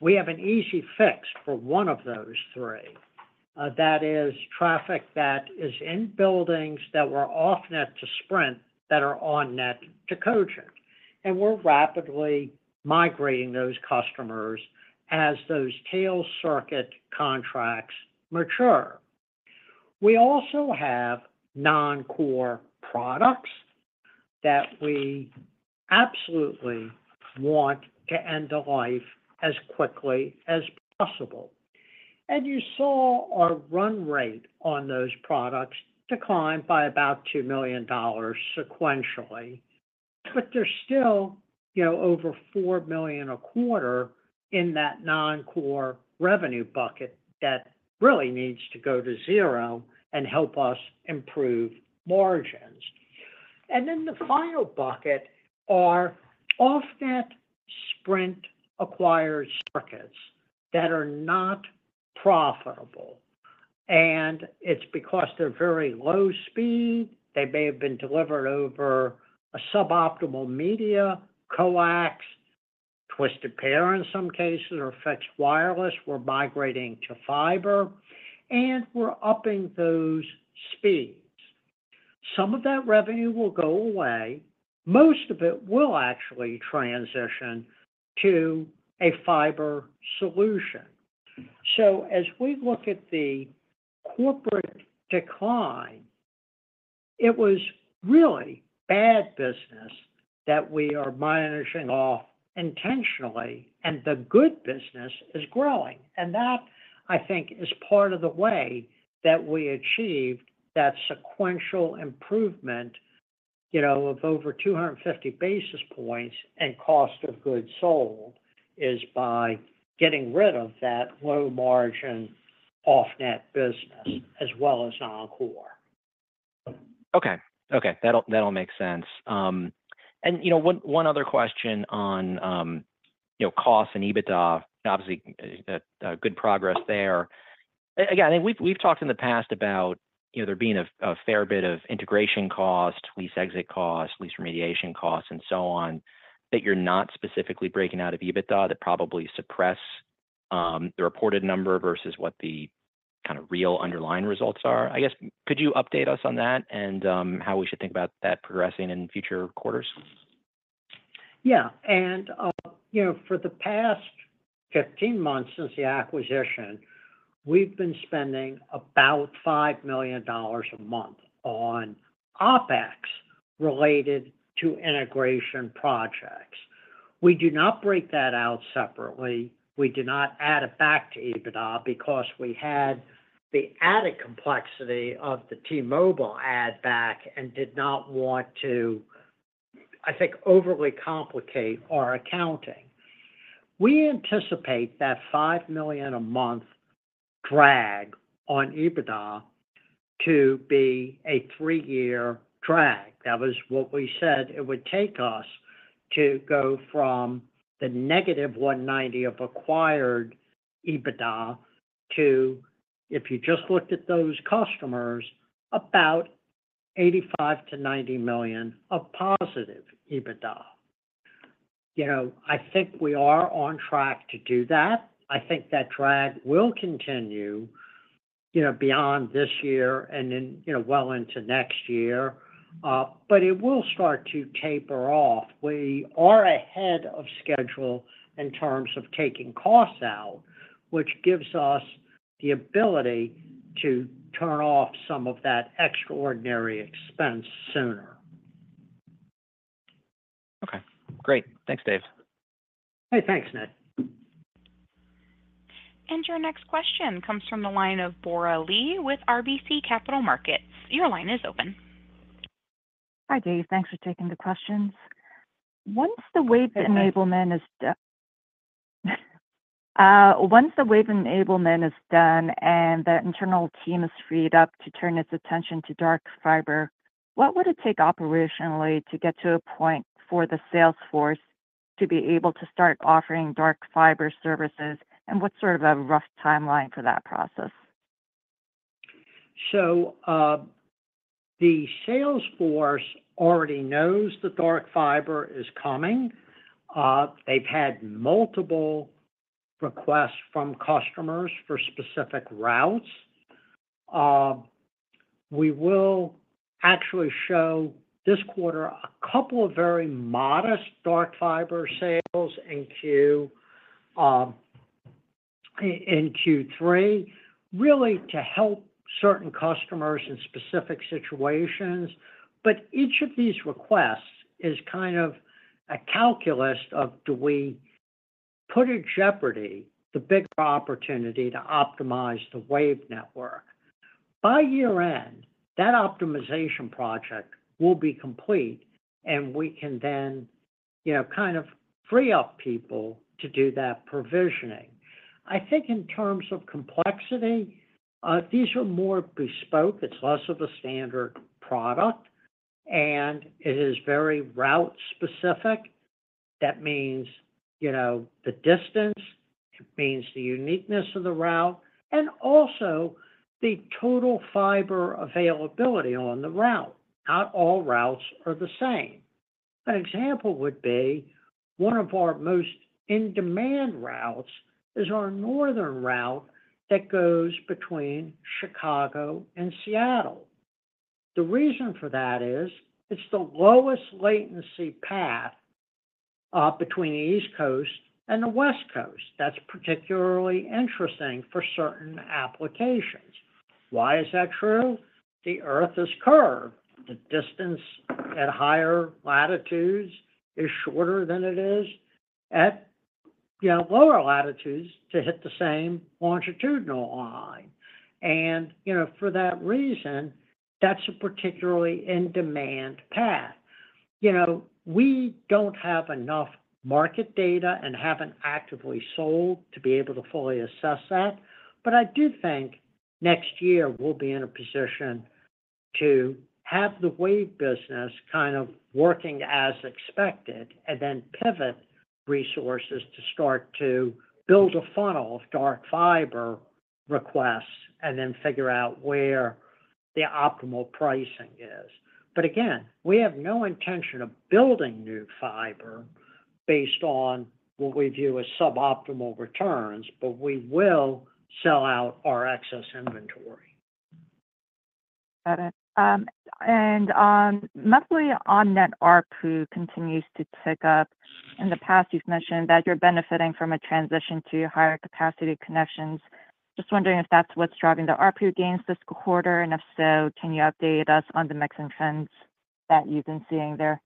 We have an easy fix for one of those three, that is traffic that is in buildings that were off-net to Sprint, that are on-net to Cogent, and we're rapidly migrating those customers as those tail circuit contracts mature. We also have non-core products that we absolutely want to end the life as quickly as possible. And you saw our run rate on those products decline by about $2 million sequentially, but there's still, you know, over $4 million a quarter in that non-core revenue bucket that really needs to go to zero and help us improve margins. And then the final bucket are off-net Sprint acquired circuits that are not profitable, and it's because they're very low speed. They may have been delivered over a suboptimal media, coax, twisted pair in some cases, or fixed wireless. We're migrating to fiber, and we're upping those speeds. Some of that revenue will go away, most of it will actually transition to a fiber solution. So as we look at the corporate decline, it was really bad business that we are managing off intentionally, and the good business is growing. That, I think, is part of the way that we achieved that sequential improvement, you know, of over 250 basis points in cost of goods sold, by getting rid of that low margin off-net business as well as non-core. Okay. Okay, that'll make sense. And, you know, one other question on, you know, costs and EBITDA, obviously, good progress there. Again, I think we've talked in the past about, you know, there being a fair bit of integration cost, lease exit costs, lease remediation costs, and so on, that you're not specifically breaking out of EBITDA, that probably suppress the reported number versus what the kind of real underlying results are. I guess, could you update us on that and how we should think about that progressing in future quarters? Yeah, and, you know, for the past 15 months since the acquisition, we've been spending about $5 million a month on OpEx related to integration projects. We do not break that out separately. We do not add it back to EBITDA because we had the added complexity of the T-Mobile add back and did not want to, I think, overly complicate our accounting. We anticipate that $5 million a month drag on EBITDA to be a 3-year drag. That was what we said it would take us to go from the negative 190 of acquired EBITDA to, if you just looked at those customers, about $85 million-$90 million of positive EBITDA. You know, I think we are on track to do that. I think that drag will continue, you know, beyond this year and then, you know, well into next year, but it will start to taper off. We are ahead of schedule in terms of taking costs out, which gives us the ability to turn off some of that extraordinary expense sooner. Okay, great. Thanks, Dave. Hey, thanks, Nick. Your next question comes from the line of Bora Lee with RBC Capital Markets. Your line is open. Hi, Dave. Thanks for taking the questions. Once the wave enablement is done and the internal team is freed up to turn its attention to dark fiber, what would it take operationally to get to a point for the sales force to be able to start offering dark fiber services? And what sort of a rough timeline for that process? So, the sales force already knows the dark fiber is coming. They've had multiple requests from customers for specific routes. We will actually show this quarter a couple of very modest dark fiber sales in Q3, really to help certain customers in specific situations. But each of these requests is kind of a calculus of, do we put in jeopardy the bigger opportunity to optimize the WAVE network? By year-end, that optimization project will be complete, and we can then, you know, kind of free up people to do that provisioning. I think in terms of complexity, these are more bespoke. It's less of a standard product, and it is very route specific. That means, you know, the distance, it means the uniqueness of the route, and also the total fiber availability on the route. Not all routes are the same. An example would be, one of our most in-demand routes is our northern route that goes between Chicago and Seattle. The reason for that is, it's the lowest latency path between the East Coast and the West Coast. That's particularly interesting for certain applications. Why is that true? The Earth is curved. The distance at higher latitudes is shorter than it is at, you know, lower latitudes to hit the same longitudinal line. And, you know, for that reason, that's a particularly in-demand path. You know, we don't have enough market data and haven't actively sold to be able to fully assess that, but I do think next year we'll be in a position to have the WAVE business kind of working as expected, and then pivot resources to start to build a funnel of dark fiber requests, and then figure out where the optimal pricing is. But again, we have no intention of building new fiber based on what we view as suboptimal returns, but we will sell out our excess inventory. Got it. And on monthly on-net ARPU continues to tick up. In the past, you've mentioned that you're benefiting from a transition to higher capacity connections. Just wondering if that's what's driving the ARPU gains this quarter, and if so, can you update us on the mixing trends that you've been seeing there?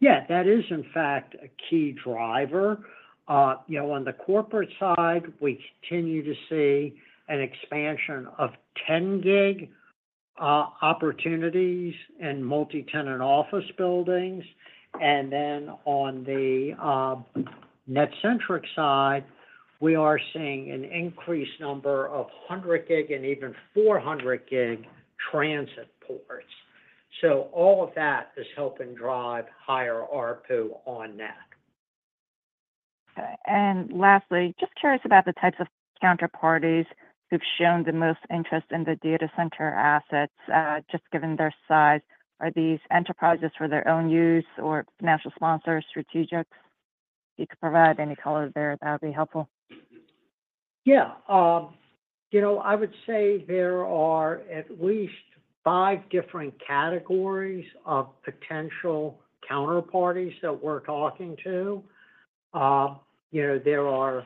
Yeah, that is, in fact, a key driver. You know, on the corporate side, we continue to see an expansion of 10 gig opportunities in multi-tenant office buildings. And then on the NetCentric side, we are seeing an increased number of 100 gig and even 400 gig transit ports. So all of that is helping drive higher ARPU on net. Okay. And lastly, just curious about the types of counterparties who've shown the most interest in the data center assets, just given their size. Are these enterprises for their own use or financial sponsors, strategics? If you could provide any color there, that would be helpful. Yeah. You know, I would say there are at least five different categories of potential counterparties that we're talking to. You know, there are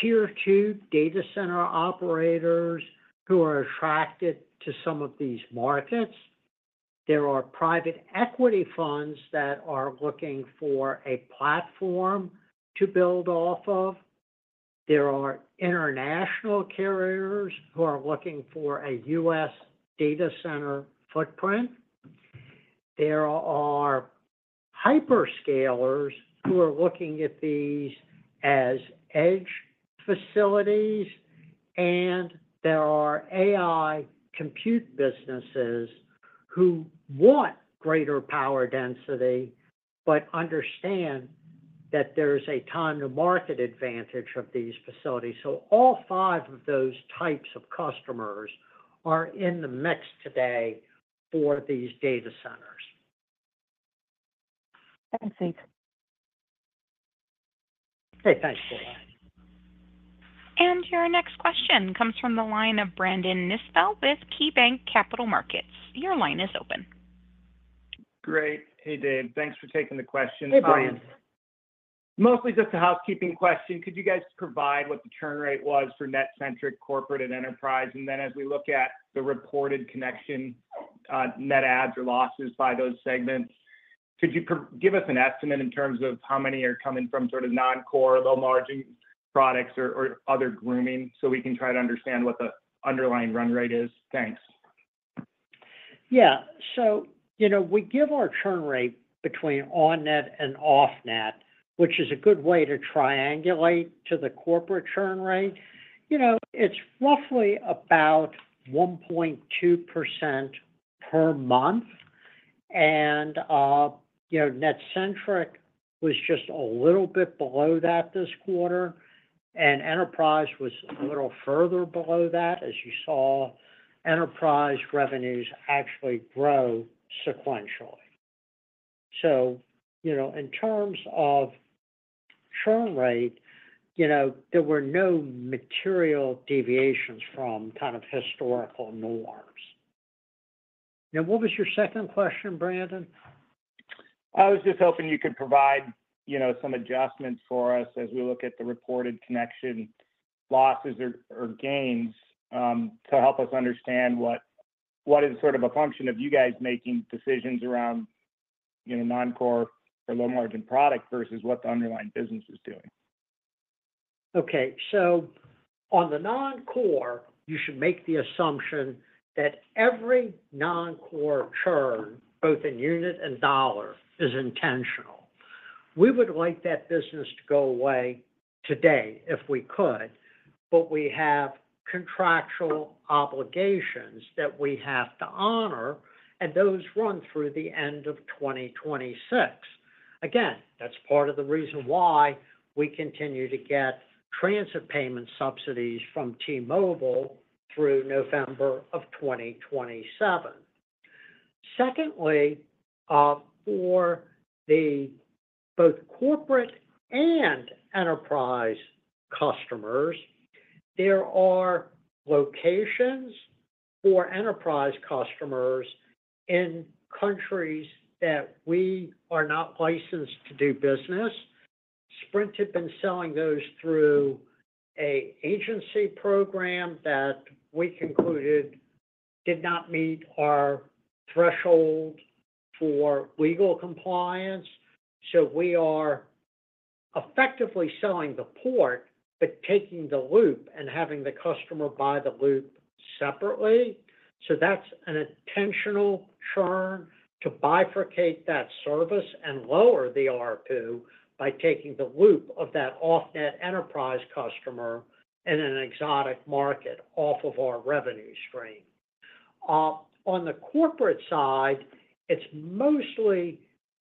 Tier Two data center operators who are attracted to some of these markets. There are private equity funds that are looking for a platform to build off of. There are international carriers who are looking for a U.S. data center footprint. There are hyperscalers who are looking at these as edge facilities, and there are AI compute businesses who want greater power density, but understand that there's a time to market advantage of these facilities. So all five of those types of customers are in the mix today for these data centers. Thanks, Dave. Okay, thanks, Sheila. Your next question comes from the line of Brandon Nispel with KeyBank Capital Markets. Your line is open. Great. Hey, Dave. Thanks for taking the question. Hey, Brandon. Mostly just a housekeeping question. Could you guys provide what the churn rate was for NetCentric, corporate, and enterprise? Then as we look at the reported connections net adds or losses by those segments, could you provide us an estimate in terms of how many are coming from sort of non-core, low-margin products or other grooming, so we can try to understand what the underlying run rate is? Thanks. Yeah. So, you know, we give our churn rate between on-net and off-net, which is a good way to triangulate to the corporate churn rate. You know, it's roughly about 1.2% per month. And, you know, NetCentric was just a little bit below that this quarter, and enterprise was a little further below that. As you saw, enterprise revenues actually grow sequentially. So, you know, in terms of churn rate, you know, there were no material deviations from kind of historical norms. Yeah, what was your second question, Brandon? I was just hoping you could provide, you know, some adjustments for us as we look at the reported connection losses or gains to help us understand what is sort of a function of you guys making decisions around, you know, non-core or low-margin product versus what the underlying business is doing. Okay. So on the non-core, you should make the assumption that every non-core churn, both in unit and dollar, is intentional. We would like that business to go away today if we could, but we have contractual obligations that we have to honor, and those run through the end of 2026. Again, that's part of the reason why we continue to get transit payment subsidies from T-Mobile through November of 2027. Secondly, for the both corporate and enterprise customers, there are locations for enterprise customers in countries that we are not licensed to do business. Sprint had been selling those through a agency program that we concluded did not meet our threshold for legal compliance. So we are effectively selling the port, but taking the loop and having the customer buy the loop separately. So that's an intentional churn to bifurcate that service and lower the ARPU by taking the loop of that off-net enterprise customer in an exotic market off of our revenue stream. On the corporate side, it's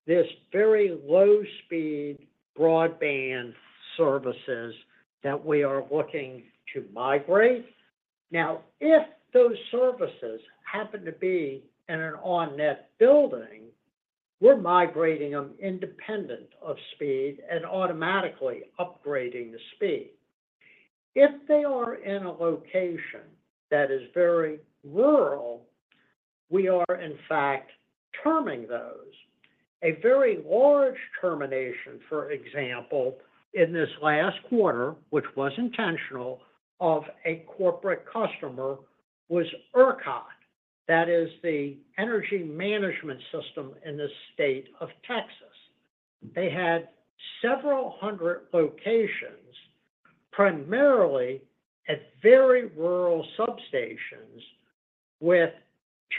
mostly this very low-speed broadband services that we are looking to migrate. Now, if those services happen to be in an on-net building, we're migrating them independent of speed and automatically upgrading the speed. If they are in a location that is very rural, we are in fact terming those. A very large termination, for example, in this last quarter, which was intentional, of a corporate customer, was ERCOT. That is the energy management system in the state of Texas. They had several hundred locations, primarily at very rural substations with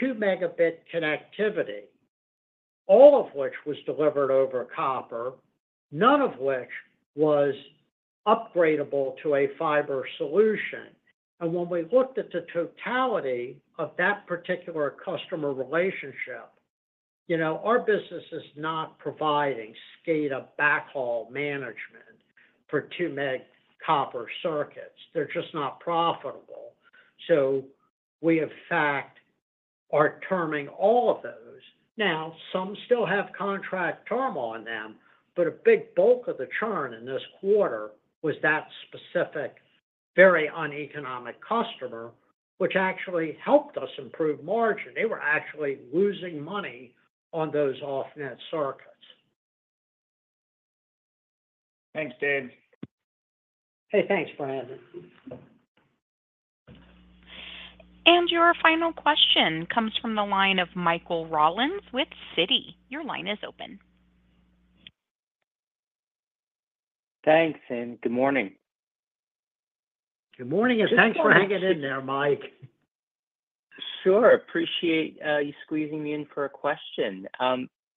2-Mbps connectivity, all of which was delivered over copper, none of which was upgradable to a fiber solution. When we looked at the totality of that particular customer relationship, you know, our business is not providing SCADA backhaul management for 2 meg copper circuits. They're just not profitable. So we, in fact, are terming all of those. Now, some still have contract term on them, but a big bulk of the churn in this quarter was that specific, very uneconomic customer, which actually helped us improve margin. They were actually losing money on those off-net circuits. Thanks, Dave. Hey, thanks, Brandon. Your final question comes from the line of Michael Rollins with Citi. Your line is open. Thanks, and good morning. Good morning, and thanks for hanging in there, Mike. Sure. Appreciate you squeezing me in for a question.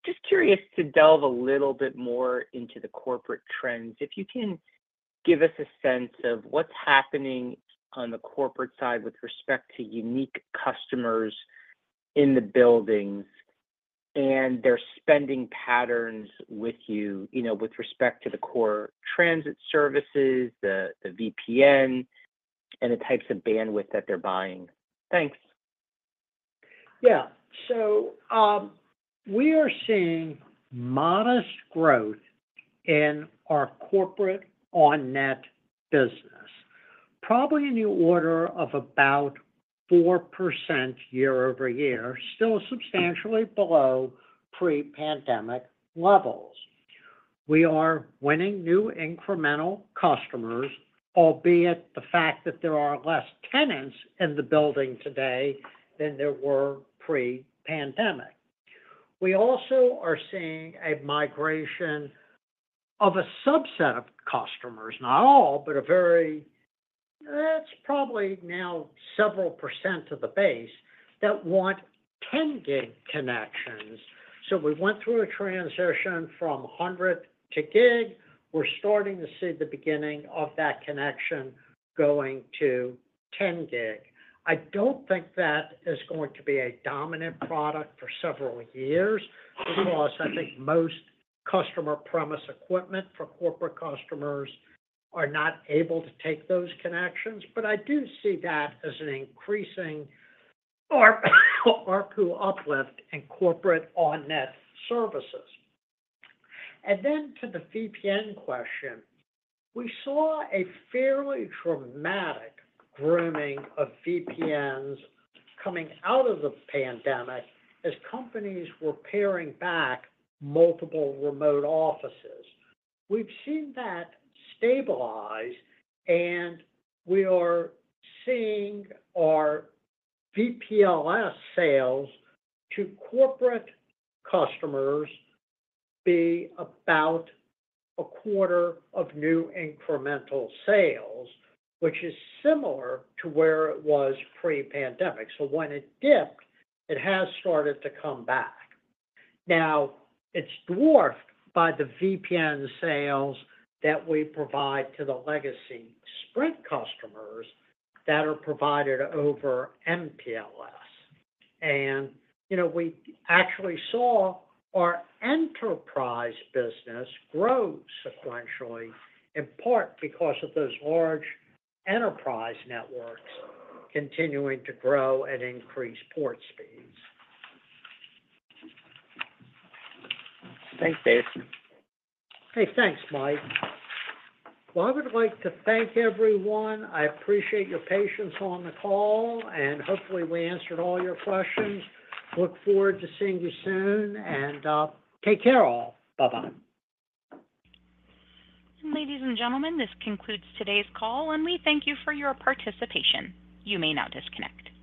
Just curious to delve a little bit more into the corporate trends. If you can give us a sense of what's happening on the corporate side with respect to unique customers in the buildings and their spending patterns with you, you know, with respect to the core transit services, the VPN, and the types of bandwidth that they're buying. Thanks. Yeah. So, we are seeing modest growth in our corporate on-net business, probably in the order of about 4% year-over-year, still substantially below pre-pandemic levels. We are winning new incremental customers, albeit the fact that there are less tenants in the building today than there were pre-pandemic. We also are seeing a migration of a subset of customers, not all, but it's probably now several% of the base that want 10 gig connections. So we went through a transition from 100 to gig. We're starting to see the beginning of that connection going to 10 gig. I don't think that is going to be a dominant product for several years, because I think most customer premise equipment for corporate customers are not able to take those connections, but I do see that as an increasing or ARPU uplift in corporate on-net services. And then to the VPN question, we saw a fairly dramatic grooming of VPNs coming out of the pandemic as companies were paring back multiple remote offices. We've seen that stabilize, and we are seeing our VPLS sales to corporate customers be about a quarter of new incremental sales, which is similar to where it was pre-pandemic. So when it dipped, it has started to come back. Now, it's dwarfed by the VPN sales that we provide to the legacy Sprint customers that are provided over MPLS. And, you know, we actually saw our enterprise business grow sequentially, in part because of those large enterprise networks continuing to grow at increased port speeds. Thanks, Dave. Hey, thanks, Mike. Well, I would like to thank everyone. I appreciate your patience on the call, and hopefully, we answered all your questions. Look forward to seeing you soon, and take care all. Bye-bye. Ladies and gentlemen, this concludes today's call, and we thank you for your participation. You may now disconnect.